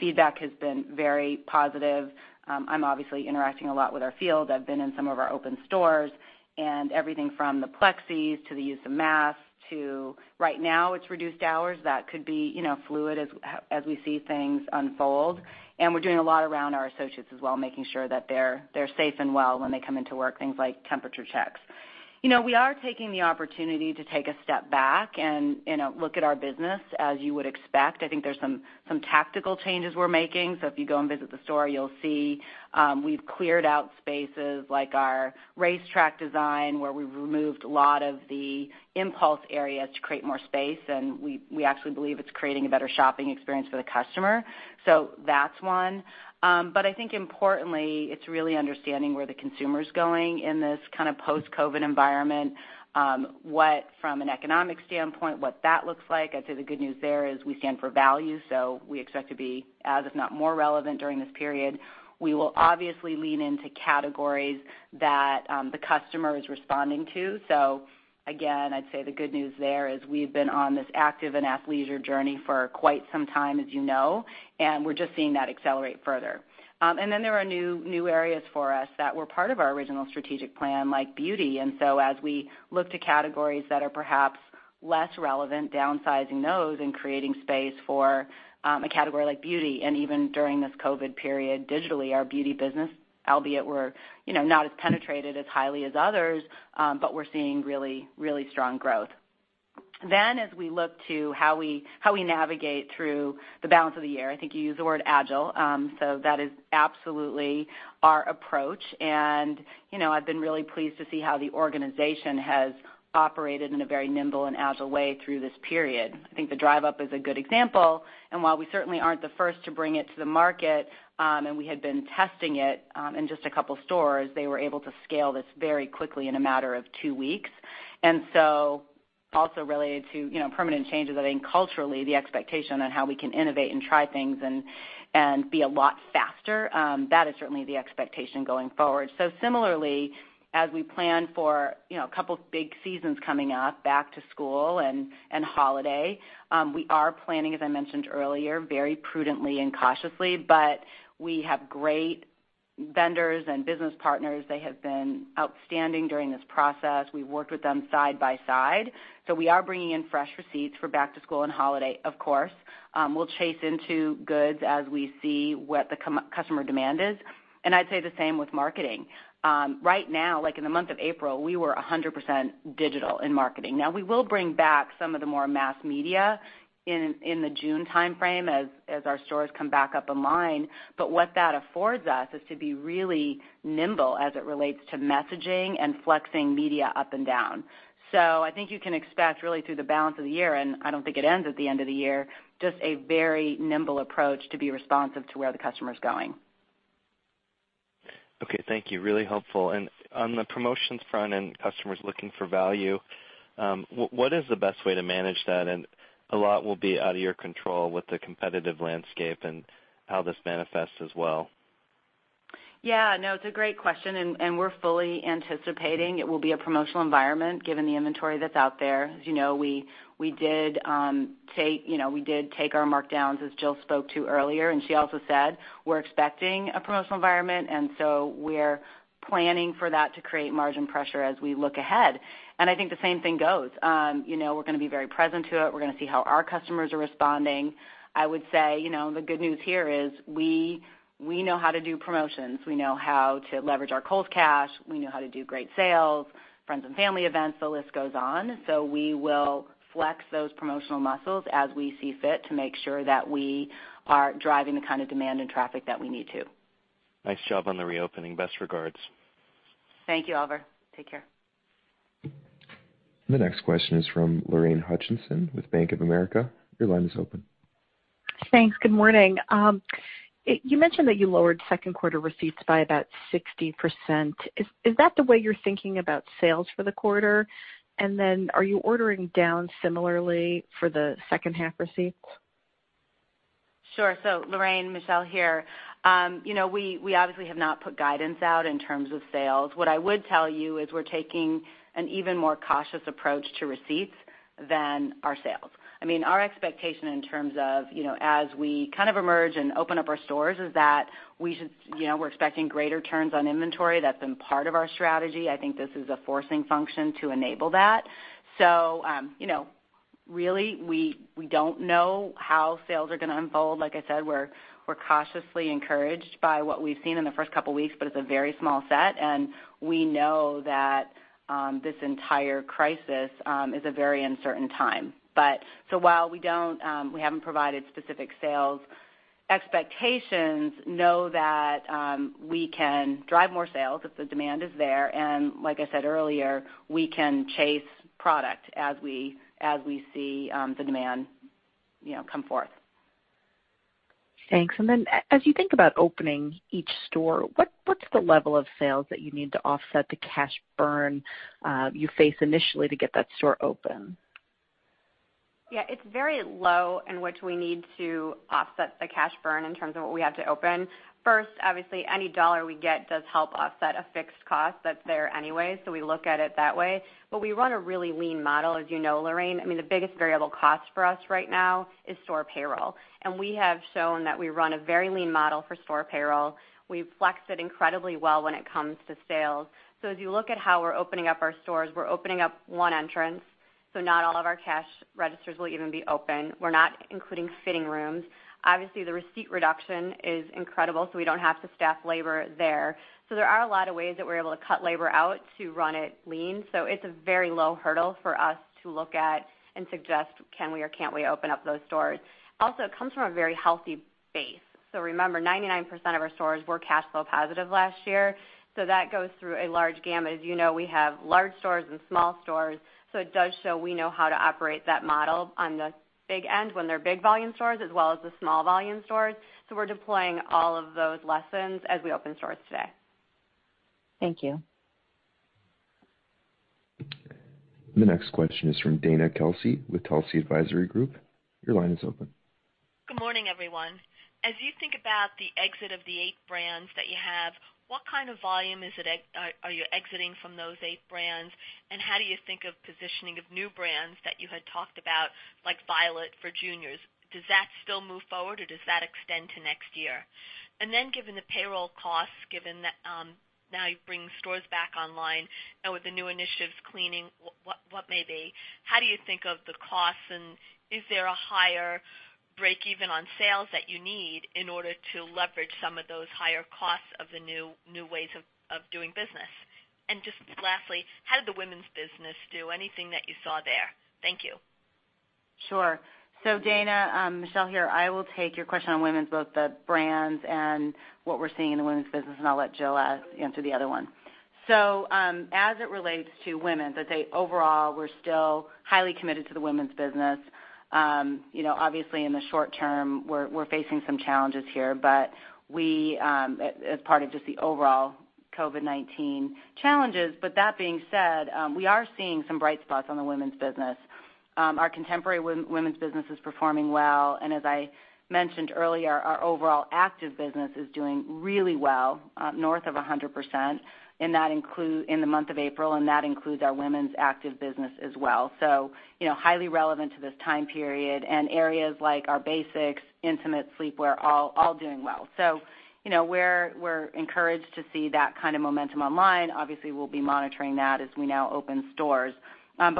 Speaker 3: Feedback has been very positive. I'm obviously interacting a lot with our field. I've been in some of our open stores. Everything from the plexis to the use of masks to right now, it's reduced hours. That could be fluid as we see things unfold. We're doing a lot around our associates as well, making sure that they're safe and well when they come into work, things like temperature checks. We are taking the opportunity to take a step back and look at our business as you would expect. I think there's some tactical changes we're making. If you go and visit the store, you'll see we've cleared out spaces like our racetrack design, where we've removed a lot of the impulse areas to create more space. We actually believe it's creating a better shopping experience for the customer. That's one. I think importantly, it's really understanding where the consumer's going in this post-COVID-19 environment. From an economic standpoint, what that looks like. I'd say the good news there is we stand for value, we expect to be as if not more relevant during this period. We will obviously lean into categories that the customer is responding to. Again, I'd say the good news there is we've been on this active and athleisure journey for quite some time, as you know, and we're just seeing that accelerate further. There are new areas for us that were part of our original strategic plan, like beauty. As we look to categories that are perhaps less relevant, downsizing those and creating space for a category like beauty. Even during this COVID-19 period, digitally, our beauty business, albeit we're not as penetrated as highly as others, but we're seeing really strong growth. As we look to how we navigate through the balance of the year, I think you used the word agile. That is absolutely our approach, and I've been really pleased to see how the organization has operated in a very nimble and agile way through this period. I think the Drive Up is a good example, and while we certainly aren't the first to bring it to the market, and we had been testing it in just a couple stores, they were able to scale this very quickly in a matter of two weeks. Also related to permanent changes, I think culturally, the expectation on how we can innovate and try things and be a lot faster, that is certainly the expectation going forward. Similarly, as we plan for a couple big seasons coming up, back to school and holiday, we are planning, as I mentioned earlier, very prudently and cautiously, but we have great vendors and business partners. They have been outstanding during this process. We've worked with them side by side. We are bringing in fresh receipts for back to school and holiday, of course. We'll chase into goods as we see what the customer demand is, and I'd say the same with marketing. Right now, like in the month of April, we were 100% digital in marketing. Now, we will bring back some of the more mass media in the June timeframe as our stores come back up online. What that affords us is to be really nimble as it relates to messaging and flexing media up and down. I think you can expect really through the balance of the year, and I don't think it ends at the end of the year, just a very nimble approach to be responsive to where the customer's going.
Speaker 7: Okay, thank you. Really helpful. On the promotions front and customers looking for value, what is the best way to manage that? A lot will be out of your control with the competitive landscape and how this manifests as well.
Speaker 3: Yeah, no, it's a great question, and we're fully anticipating it will be a promotional environment given the inventory that's out there. As you know, we did take our markdowns, as Jill spoke to earlier, and she also said, we're expecting a promotional environment. We're planning for that to create margin pressure as we look ahead. I think the same thing goes. We're going to be very present to it. We're going to see how our customers are responding. I would say, the good news here is we know how to do promotions. We know how to leverage our Kohl's Cash. We know how to do great sales, friends and family events, the list goes on. We will flex those promotional muscles as we see fit to make sure that we are driving the kind of demand and traffic that we need to.
Speaker 7: Nice job on the reopening. Best regards.
Speaker 3: Thank you, Oliver. Take care.
Speaker 1: The next question is from Lorraine Hutchinson with Bank of America. Your line is open.
Speaker 8: Thanks. Good morning. You mentioned that you lowered second quarter receipts by about 60%. Is that the way you're thinking about sales for the quarter? Are you ordering down similarly for the second half receipts?
Speaker 3: Sure. Lorraine, Michelle here. We obviously have not put guidance out in terms of sales. What I would tell you is we're taking an even more cautious approach to receipts than our sales. Our expectation in terms of as we kind of emerge and open up our stores is that we're expecting greater turns on inventory. That's been part of our strategy. I think this is a forcing function to enable that. Really, we don't know how sales are going to unfold. Like I said, we're cautiously encouraged by what we've seen in the first couple of weeks, but it's a very small set, and we know that this entire crisis is a very uncertain time. While we haven't provided specific sales expectations, know that we can drive more sales if the demand is there. Like I said earlier, we can chase product as we see the demand come forth.
Speaker 8: Thanks. As you think about opening each store, what's the level of sales that you need to offset the cash burn you face initially to get that store open?
Speaker 4: Yeah, it's very low in which we need to offset the cash burn in terms of what we have to open. First, obviously, any dollar we get does help offset a fixed cost that's there anyway. We look at it that way. We run a really lean model, as you know, Lorraine. The biggest variable cost for us right now is store payroll. We have shown that we run a very lean model for store payroll. We flex it incredibly well when it comes to sales. As you look at how we're opening up our stores, we're opening up one entrance, so not all of our cash registers will even be open. We're not including fitting rooms. Obviously, the receipt reduction is incredible, so we don't have to staff labor there. There are a lot of ways that we're able to cut labor out to run it lean. It's a very low hurdle for us to look at and suggest, can we or can't we open up those stores. Also, it comes from a very healthy base. Remember, 99% of our stores were cash flow positive last year. That goes through a large gamut. As you know, we have large stores and small stores, so it does show we know how to operate that model on the big end when they're big volume stores as well as the small volume stores. We're deploying all of those lessons as we open stores today.
Speaker 8: Thank you.
Speaker 1: The next question is from Dana Telsey with Telsey Advisory Group. Your line is open.
Speaker 9: Good morning, everyone. As you think about the exit of the eight brands that you have, what kind of volume are you exiting from those eight brands? How do you think of positioning of new brands that you had talked about, like Violet for juniors? Does that still move forward, or does that extend to next year? Given the payroll costs, given that now you're bringing stores back online, and with the new initiatives, cleaning, what may be, how do you think of the costs, and is there a higher breakeven on sales that you need in order to leverage some of those higher costs of the new ways of doing business? Just lastly, how did the women's business do? Anything that you saw there? Thank you.
Speaker 3: Sure. Dana Telsey, Michelle here. I will take your question on women's, both the brands and what we're seeing in the women's business, and I'll let Jill Timm answer the other one. As it relates to women, I'd say overall, we're still highly committed to the women's business. Obviously in the short term, we're facing some challenges here, as part of just the overall COVID-19 challenges. That being said, we are seeing some bright spots on the women's business. Our contemporary women's business is performing well, and as I mentioned earlier, our overall active business is doing really well, north of 100% in the month of April, and that includes our women's active business as well. Highly relevant to this time period, and areas like our basics, intimate sleepwear, all doing well. We're encouraged to see that kind of momentum online. Obviously, we'll be monitoring that as we now open stores.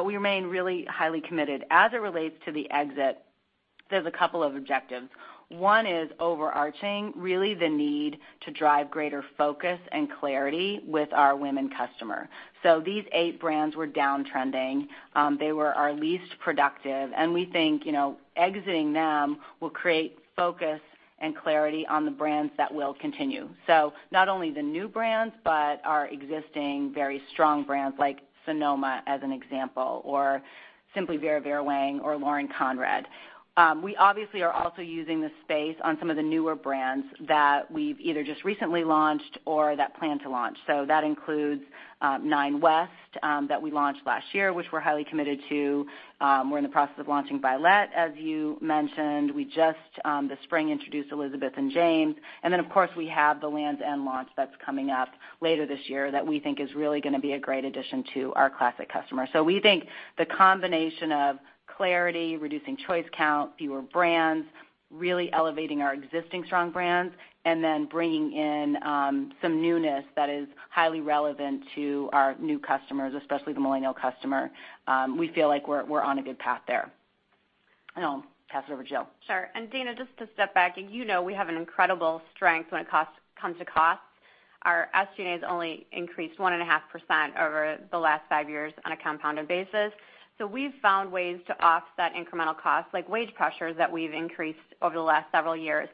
Speaker 3: We remain really highly committed. As it relates to the exit, there's a couple of objectives. One is overarching, really the need to drive greater focus and clarity with our women customer. These eight brands were downtrending. They were our least productive, and we think exiting them will create focus and clarity on the brands that will continue. Not only the new brands, but our existing very strong brands like Sonoma, as an example, or Simply Vera Vera Wang or Lauren Conrad. We obviously are also using this space on some of the newer brands that we've either just recently launched or that plan to launch. That includes Nine West, that we launched last year, which we're highly committed to. We're in the process of launching Violeta, as you mentioned. We just, this spring, introduced Elizabeth and James. Then, of course, we have the Lands' End launch that's coming up later this year that we think is really going to be a great addition to our classic customer. We think the combination of clarity, reducing choice count, fewer brands, really elevating our existing strong brands, and then bringing in some newness that is highly relevant to our new customers, especially the millennial customer. We feel like we're on a good path there. I'll pass it over to Jill.
Speaker 4: Sure. Dana, just to step back, as you know we have an incredible strength when it comes to cost. Our SG&A has only increased 1.5% over the last five years on a compounded basis. We've found ways to offset incremental costs, like wage pressures that we've increased over the last several years.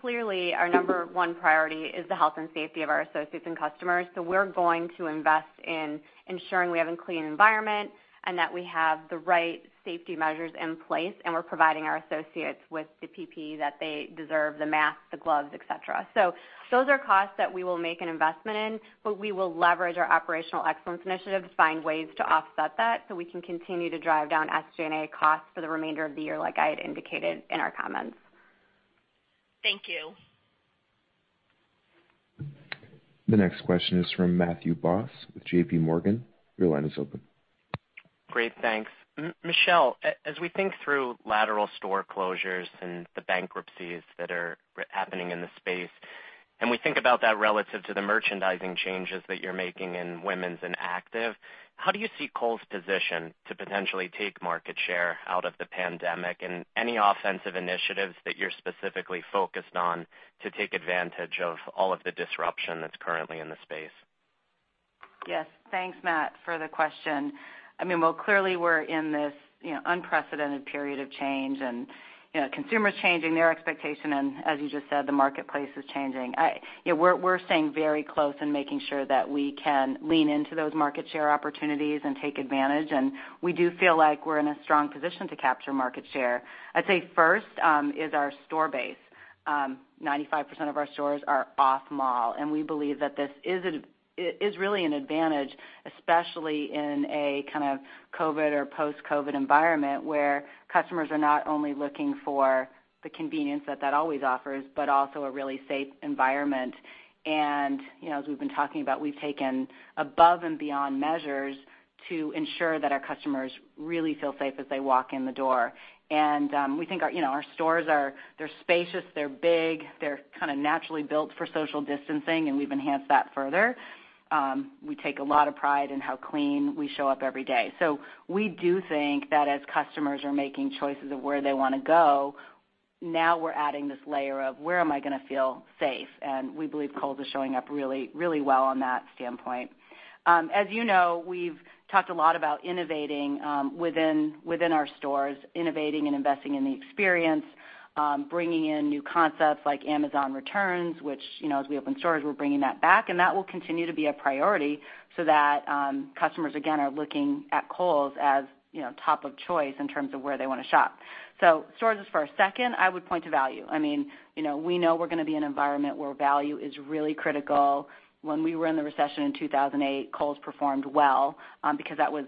Speaker 4: Clearly, our number one priority is the health and safety of our associates and customers, so we're going to invest in ensuring we have a clean environment and that we have the right safety measures in place, and we're providing our associates with the PPE that they deserve, the masks, the gloves, et cetera. Those are costs that we will make an investment in, but we will leverage our operational excellence initiatives to find ways to offset that so we can continue to drive down SG&A costs for the remainder of the year, like I had indicated in our comments.
Speaker 9: Thank you.
Speaker 1: The next question is from Matthew Boss with JPMorgan. Your line is open.
Speaker 10: Great, thanks. Michelle, as we think through lateral store closures and the bankruptcies that are happening in the space, and we think about that relative to the merchandising changes that you're making in women's and active, how do you see Kohl's positioned to potentially take market share out of the pandemic, and any offensive initiatives that you're specifically focused on to take advantage of all of the disruption that's currently in the space?
Speaker 3: Yes. Thanks, Matt, for the question. Clearly, we're in this unprecedented period of change, and consumers changing their expectation and, as you just said, the marketplace is changing. We're staying very close and making sure that we can lean into those market share opportunities and take advantage. We do feel like we're in a strong position to capture market share. I'd say first is our store base. 95% of our stores are off mall. We believe that this is really an advantage, especially in a kind of COVID or post-COVID environment where customers are not only looking for the convenience that that always offers, but also a really safe environment. As we've been talking about, we've taken above and beyond measures to ensure that our customers really feel safe as they walk in the door. We think our stores, they're spacious, they're big, they're kind of naturally built for social distancing, and we've enhanced that further. We take a lot of pride in how clean we show up every day. We do think that as customers are making choices of where they want to go, now we're adding this layer of, "Where am I going to feel safe?" We believe Kohl's is showing up really well on that standpoint. As you know, we've talked a lot about innovating within our stores, innovating and investing in the experience, bringing in new concepts like Amazon Returns, which, as we open stores, we're bringing that back, and that will continue to be a priority so that customers, again, are looking at Kohl's as top of choice in terms of where they want to shop. Stores is first. Second, I would point to value. We know we're going to be in an environment where value is really critical. When we were in the recession in 2008, Kohl's performed well because that was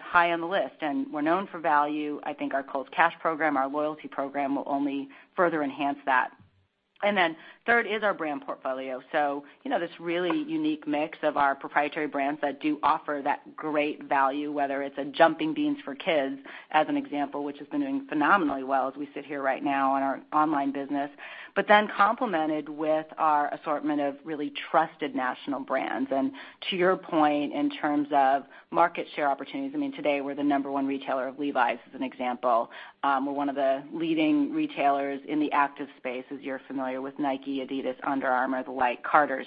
Speaker 3: high on the list, and we're known for value. I think our Kohl's Cash program, our loyalty program, will only further enhance that. Third is our brand portfolio. This really unique mix of our proprietary brands that do offer that great value, whether it's a Jumping Beans for kids, as an example, which has been doing phenomenally well as we sit here right now in our online business. Complemented with our assortment of really trusted national brands. To your point, in terms of market share opportunities, today we're the number one retailer of Levi's, as an example. We're one of the leading retailers in the active space, as you're familiar with Nike, Adidas, Under Armour, the like, Carter's.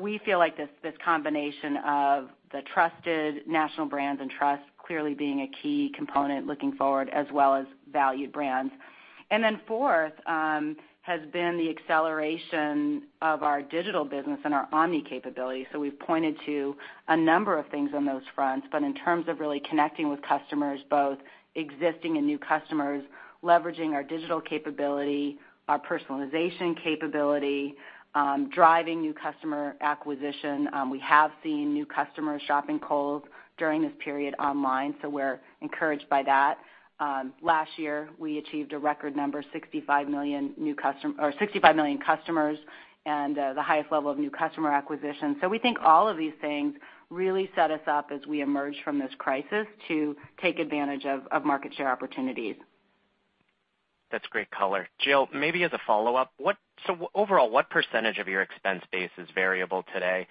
Speaker 3: We feel like this combination of the trusted national brands and trust clearly being a key component looking forward, as well as valued brands. Fourth has been the acceleration of our digital business and our omni capability. We've pointed to a number of things on those fronts, but in terms of really connecting with customers, both existing and new customers, leveraging our digital capability, our personalization capability, driving new customer acquisition. We have seen new customers shop in Kohl's during this period online, so we're encouraged by that. Last year, we achieved a record number, 65 million customers, and the highest level of new customer acquisition. We think all of these things really set us up as we emerge from this crisis to take advantage of market share opportunities.
Speaker 10: That's great color. Jill, maybe as a follow-up, Overall, what percentage of your expense base is variable today?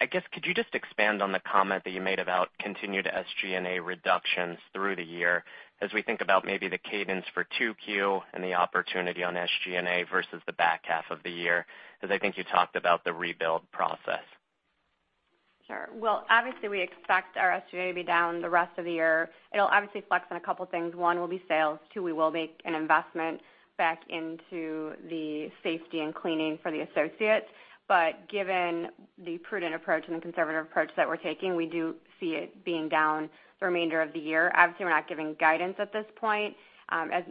Speaker 10: I guess, could you just expand on the comment that you made about continued SG&A reductions through the year as we think about maybe the cadence for 2Q and the opportunity on SG&A versus the back half of the year? I think you talked about the rebuild process.
Speaker 4: Well, obviously, we expect our SG&A to be down the rest of the year. It'll obviously flex on a couple of things. One will be sales. Two, we will make an investment back into the safety and cleaning for the associates. Given the prudent approach and the conservative approach that we're taking, we do see it being down the remainder of the year. Obviously, we're not giving guidance at this point. As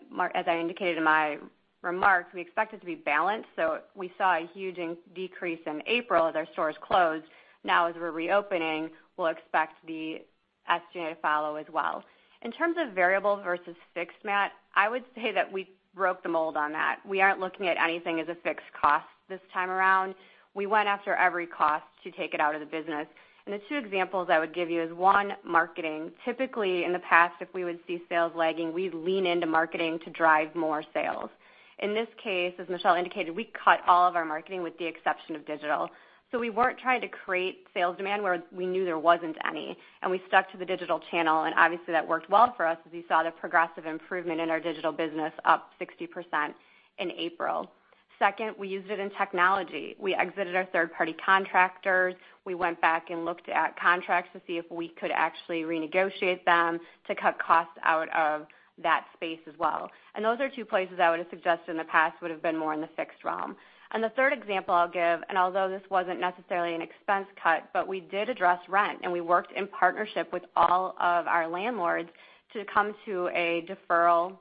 Speaker 4: I indicated in my remarks, we expect it to be balanced. We saw a huge decrease in April as our stores closed. As we're reopening, we'll expect the SG&A to follow as well. In terms of variable versus fixed, Matt, I would say that we broke the mold on that. We aren't looking at anything as a fixed cost this time around. We went after every cost to take it out of the business. The two examples I would give you is, one, marketing. Typically, in the past, if we would see sales lagging, we'd lean into marketing to drive more sales. In this case, as Michelle indicated, we cut all of our marketing with the exception of digital. We weren't trying to create sales demand where we knew there wasn't any, and we stuck to the digital channel, and obviously, that worked well for us as you saw the progressive improvement in our digital business up 60% in April. Second, we used it in technology. We exited our third-party contractors. We went back and looked at contracts to see if we could actually renegotiate them to cut costs out of that space as well. Those are two places I would have suggested in the past would have been more in the fixed realm. The third example I'll give, and although this wasn't necessarily an expense cut, but we did address rent, and we worked in partnership with all of our landlords to come to a deferral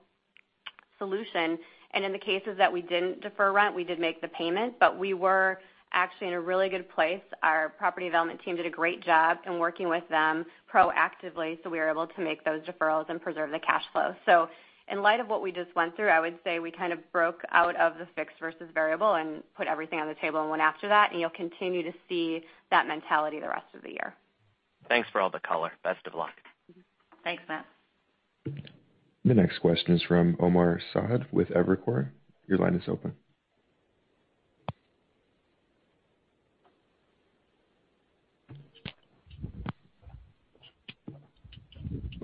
Speaker 4: solution. In the cases that we didn't defer rent, we did make the payment, but we were actually in a really good place. Our property development team did a great job in working with them proactively, so we were able to make those deferrals and preserve the cash flow. In light of what we just went through, I would say we broke out of the fixed versus variable and put everything on the table and went after that, and you'll continue to see that mentality the rest of the year.
Speaker 10: Thanks for all the color. Best of luck.
Speaker 4: Thanks, Matt.
Speaker 1: The next question is from Omar Saad with Evercore. Your line is open.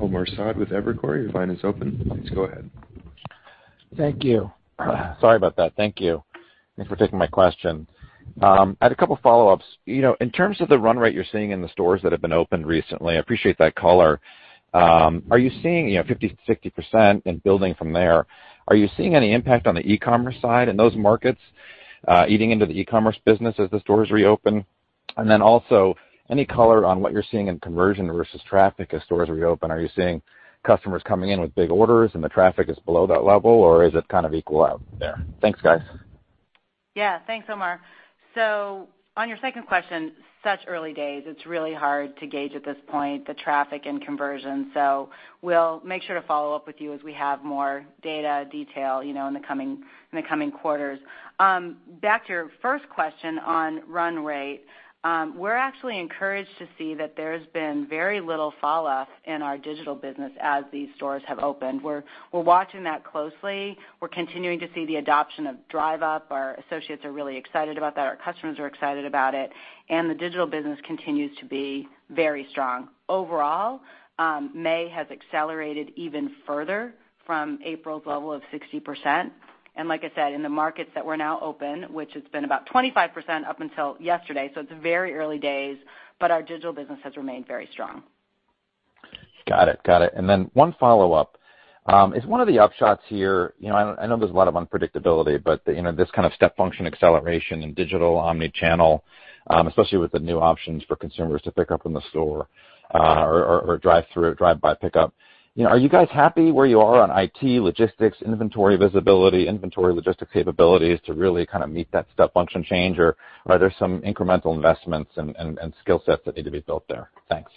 Speaker 1: Omar Saad with Evercore, your line is open. Please go ahead.
Speaker 11: Thank you. Sorry about that. Thank you. Thanks for taking my question. I had a couple follow-ups. In terms of the run rate you're seeing in the stores that have been opened recently, I appreciate that color. Are you seeing 50%-60% and building from there? Are you seeing any impact on the e-commerce side in those markets, eating into the e-commerce business as the stores reopen? Also, any color on what you're seeing in conversion versus traffic as stores reopen. Are you seeing customers coming in with big orders and the traffic is below that level, or is it equal out there? Thanks, guys.
Speaker 3: Yeah. Thanks, Omar. On your second question, such early days, it's really hard to gauge at this point the traffic and conversion. We'll make sure to follow up with you as we have more data detail in the coming quarters. Back to your first question on run rate. We're actually encouraged to see that there's been very little fallout in our digital business as these stores have opened. We're watching that closely. We're continuing to see the adoption of Drive Up. Our associates are really excited about that. Our customers are excited about it, and the digital business continues to be very strong. Overall, May has accelerated even further from April's level of 60%. Like I said, in the markets that we're now open, which has been about 25% up until yesterday, so it's very early days, but our digital business has remained very strong.
Speaker 11: Got it. One follow-up. Is one of the upshots here, I know there's a lot of unpredictability, but this kind of step function acceleration in digital, omnichannel, especially with the new options for consumers to pick up in the store or Drive Up. Are you guys happy where you are on IT, logistics, inventory visibility, inventory logistics capabilities to really meet that step function change, or are there some incremental investments and skill sets that need to be built there? Thanks.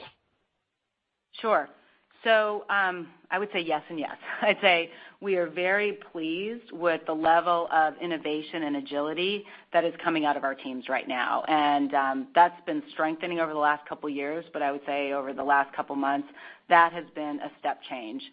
Speaker 3: Sure. I would say yes and yes. I'd say we are very pleased with the level of innovation and agility that is coming out of our teams right now. That's been strengthening over the last couple years, but I would say over the last couple of months, that has been a step change.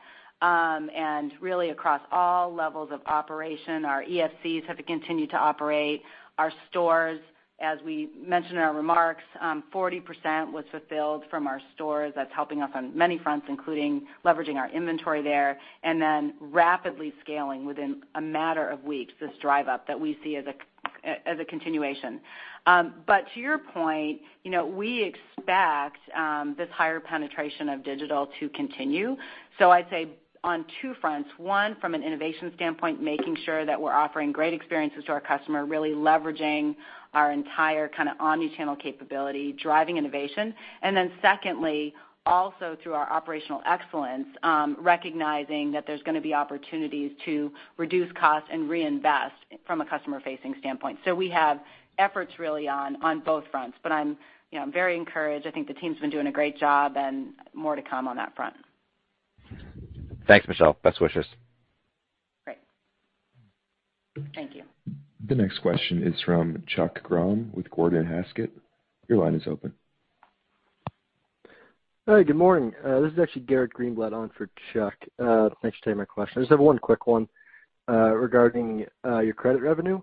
Speaker 3: Really across all levels of operation, our EFCs have continued to operate our stores. As we mentioned in our remarks, 40% was fulfilled from our stores. That's helping us on many fronts, including leveraging our inventory there and then rapidly scaling within a matter of weeks, this Drive Up that we see as a continuation. To your point, we expect this higher penetration of digital to continue. I'd say on two fronts, one, from an innovation standpoint, making sure that we're offering great experiences to our customer, really leveraging our entire omni-channel capability, driving innovation. Secondly, also through our operational excellence, recognizing that there's going to be opportunities to reduce costs and reinvest from a customer-facing standpoint. We have efforts really on both fronts. I'm very encouraged. I think the team's been doing a great job and more to come on that front.
Speaker 11: Thanks, Michelle. Best wishes.
Speaker 3: Great. Thank you.
Speaker 1: The next question is from Chuck Grom with Gordon Haskett. Your line is open.
Speaker 12: Hey, good morning. This is actually Garrett Greenblatt on for Chuck. Thanks for taking my question. I just have one quick one regarding your credit revenue.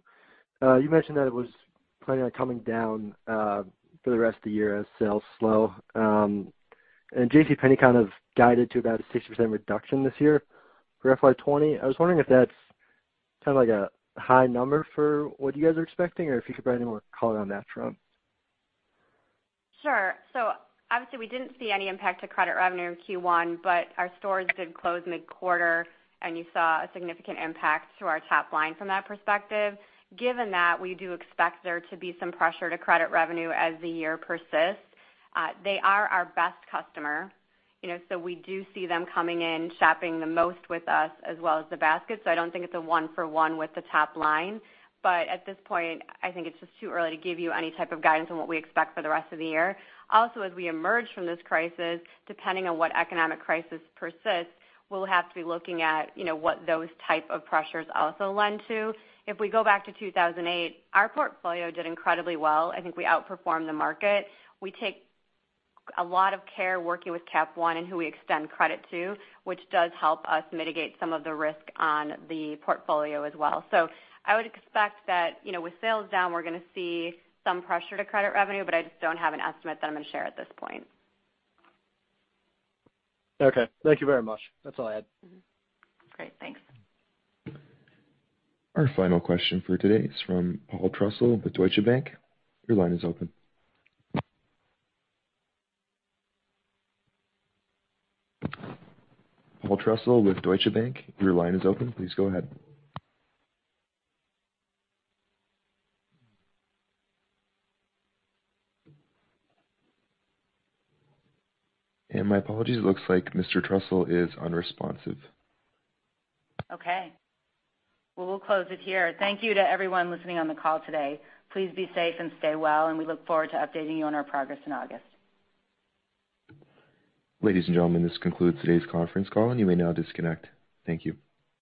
Speaker 12: You mentioned that it was planning on coming down for the rest of the year as sales slow. JCPenney kind of guided to about a 60% reduction this year for FY 2020. I was wondering if that's a high number for what you guys are expecting, or if you could provide any more color on that front.
Speaker 4: Obviously, we didn't see any impact to credit revenue in Q1, but our stores did close mid-quarter, and you saw a significant impact to our top line from that perspective. Given that, we do expect there to be some pressure to credit revenue as the year persists. We do see them coming in, shopping the most with us as well as the basket. I don't think it's a one for one with the top line. At this point, I think it's just too early to give you any type of guidance on what we expect for the rest of the year. Also, as we emerge from this crisis, depending on what economic crisis persists, we'll have to be looking at what those type of pressures also lend to. If we go back to 2008, our portfolio did incredibly well. I think we outperformed the market. We take a lot of care working with Capital One and who we extend credit to, which does help us mitigate some of the risk on the portfolio as well. I would expect that, with sales down, we're going to see some pressure to credit revenue, but I just don't have an estimate that I'm going to share at this point.
Speaker 12: Okay. Thank you very much. That's all I had.
Speaker 4: Great. Thanks.
Speaker 1: Our final question for today is from Paul Trussell with Deutsche Bank. Your line is open. Paul Trussell with Deutsche Bank, your line is open. Please go ahead. My apologies. It looks like Mr. Trussell is unresponsive.
Speaker 4: Okay. Well, we'll close it here. Thank you to everyone listening on the call today. Please be safe and stay well, and we look forward to updating you on our progress in August.
Speaker 1: Ladies and gentlemen, this concludes today's conference call. You may now disconnect. Thank you.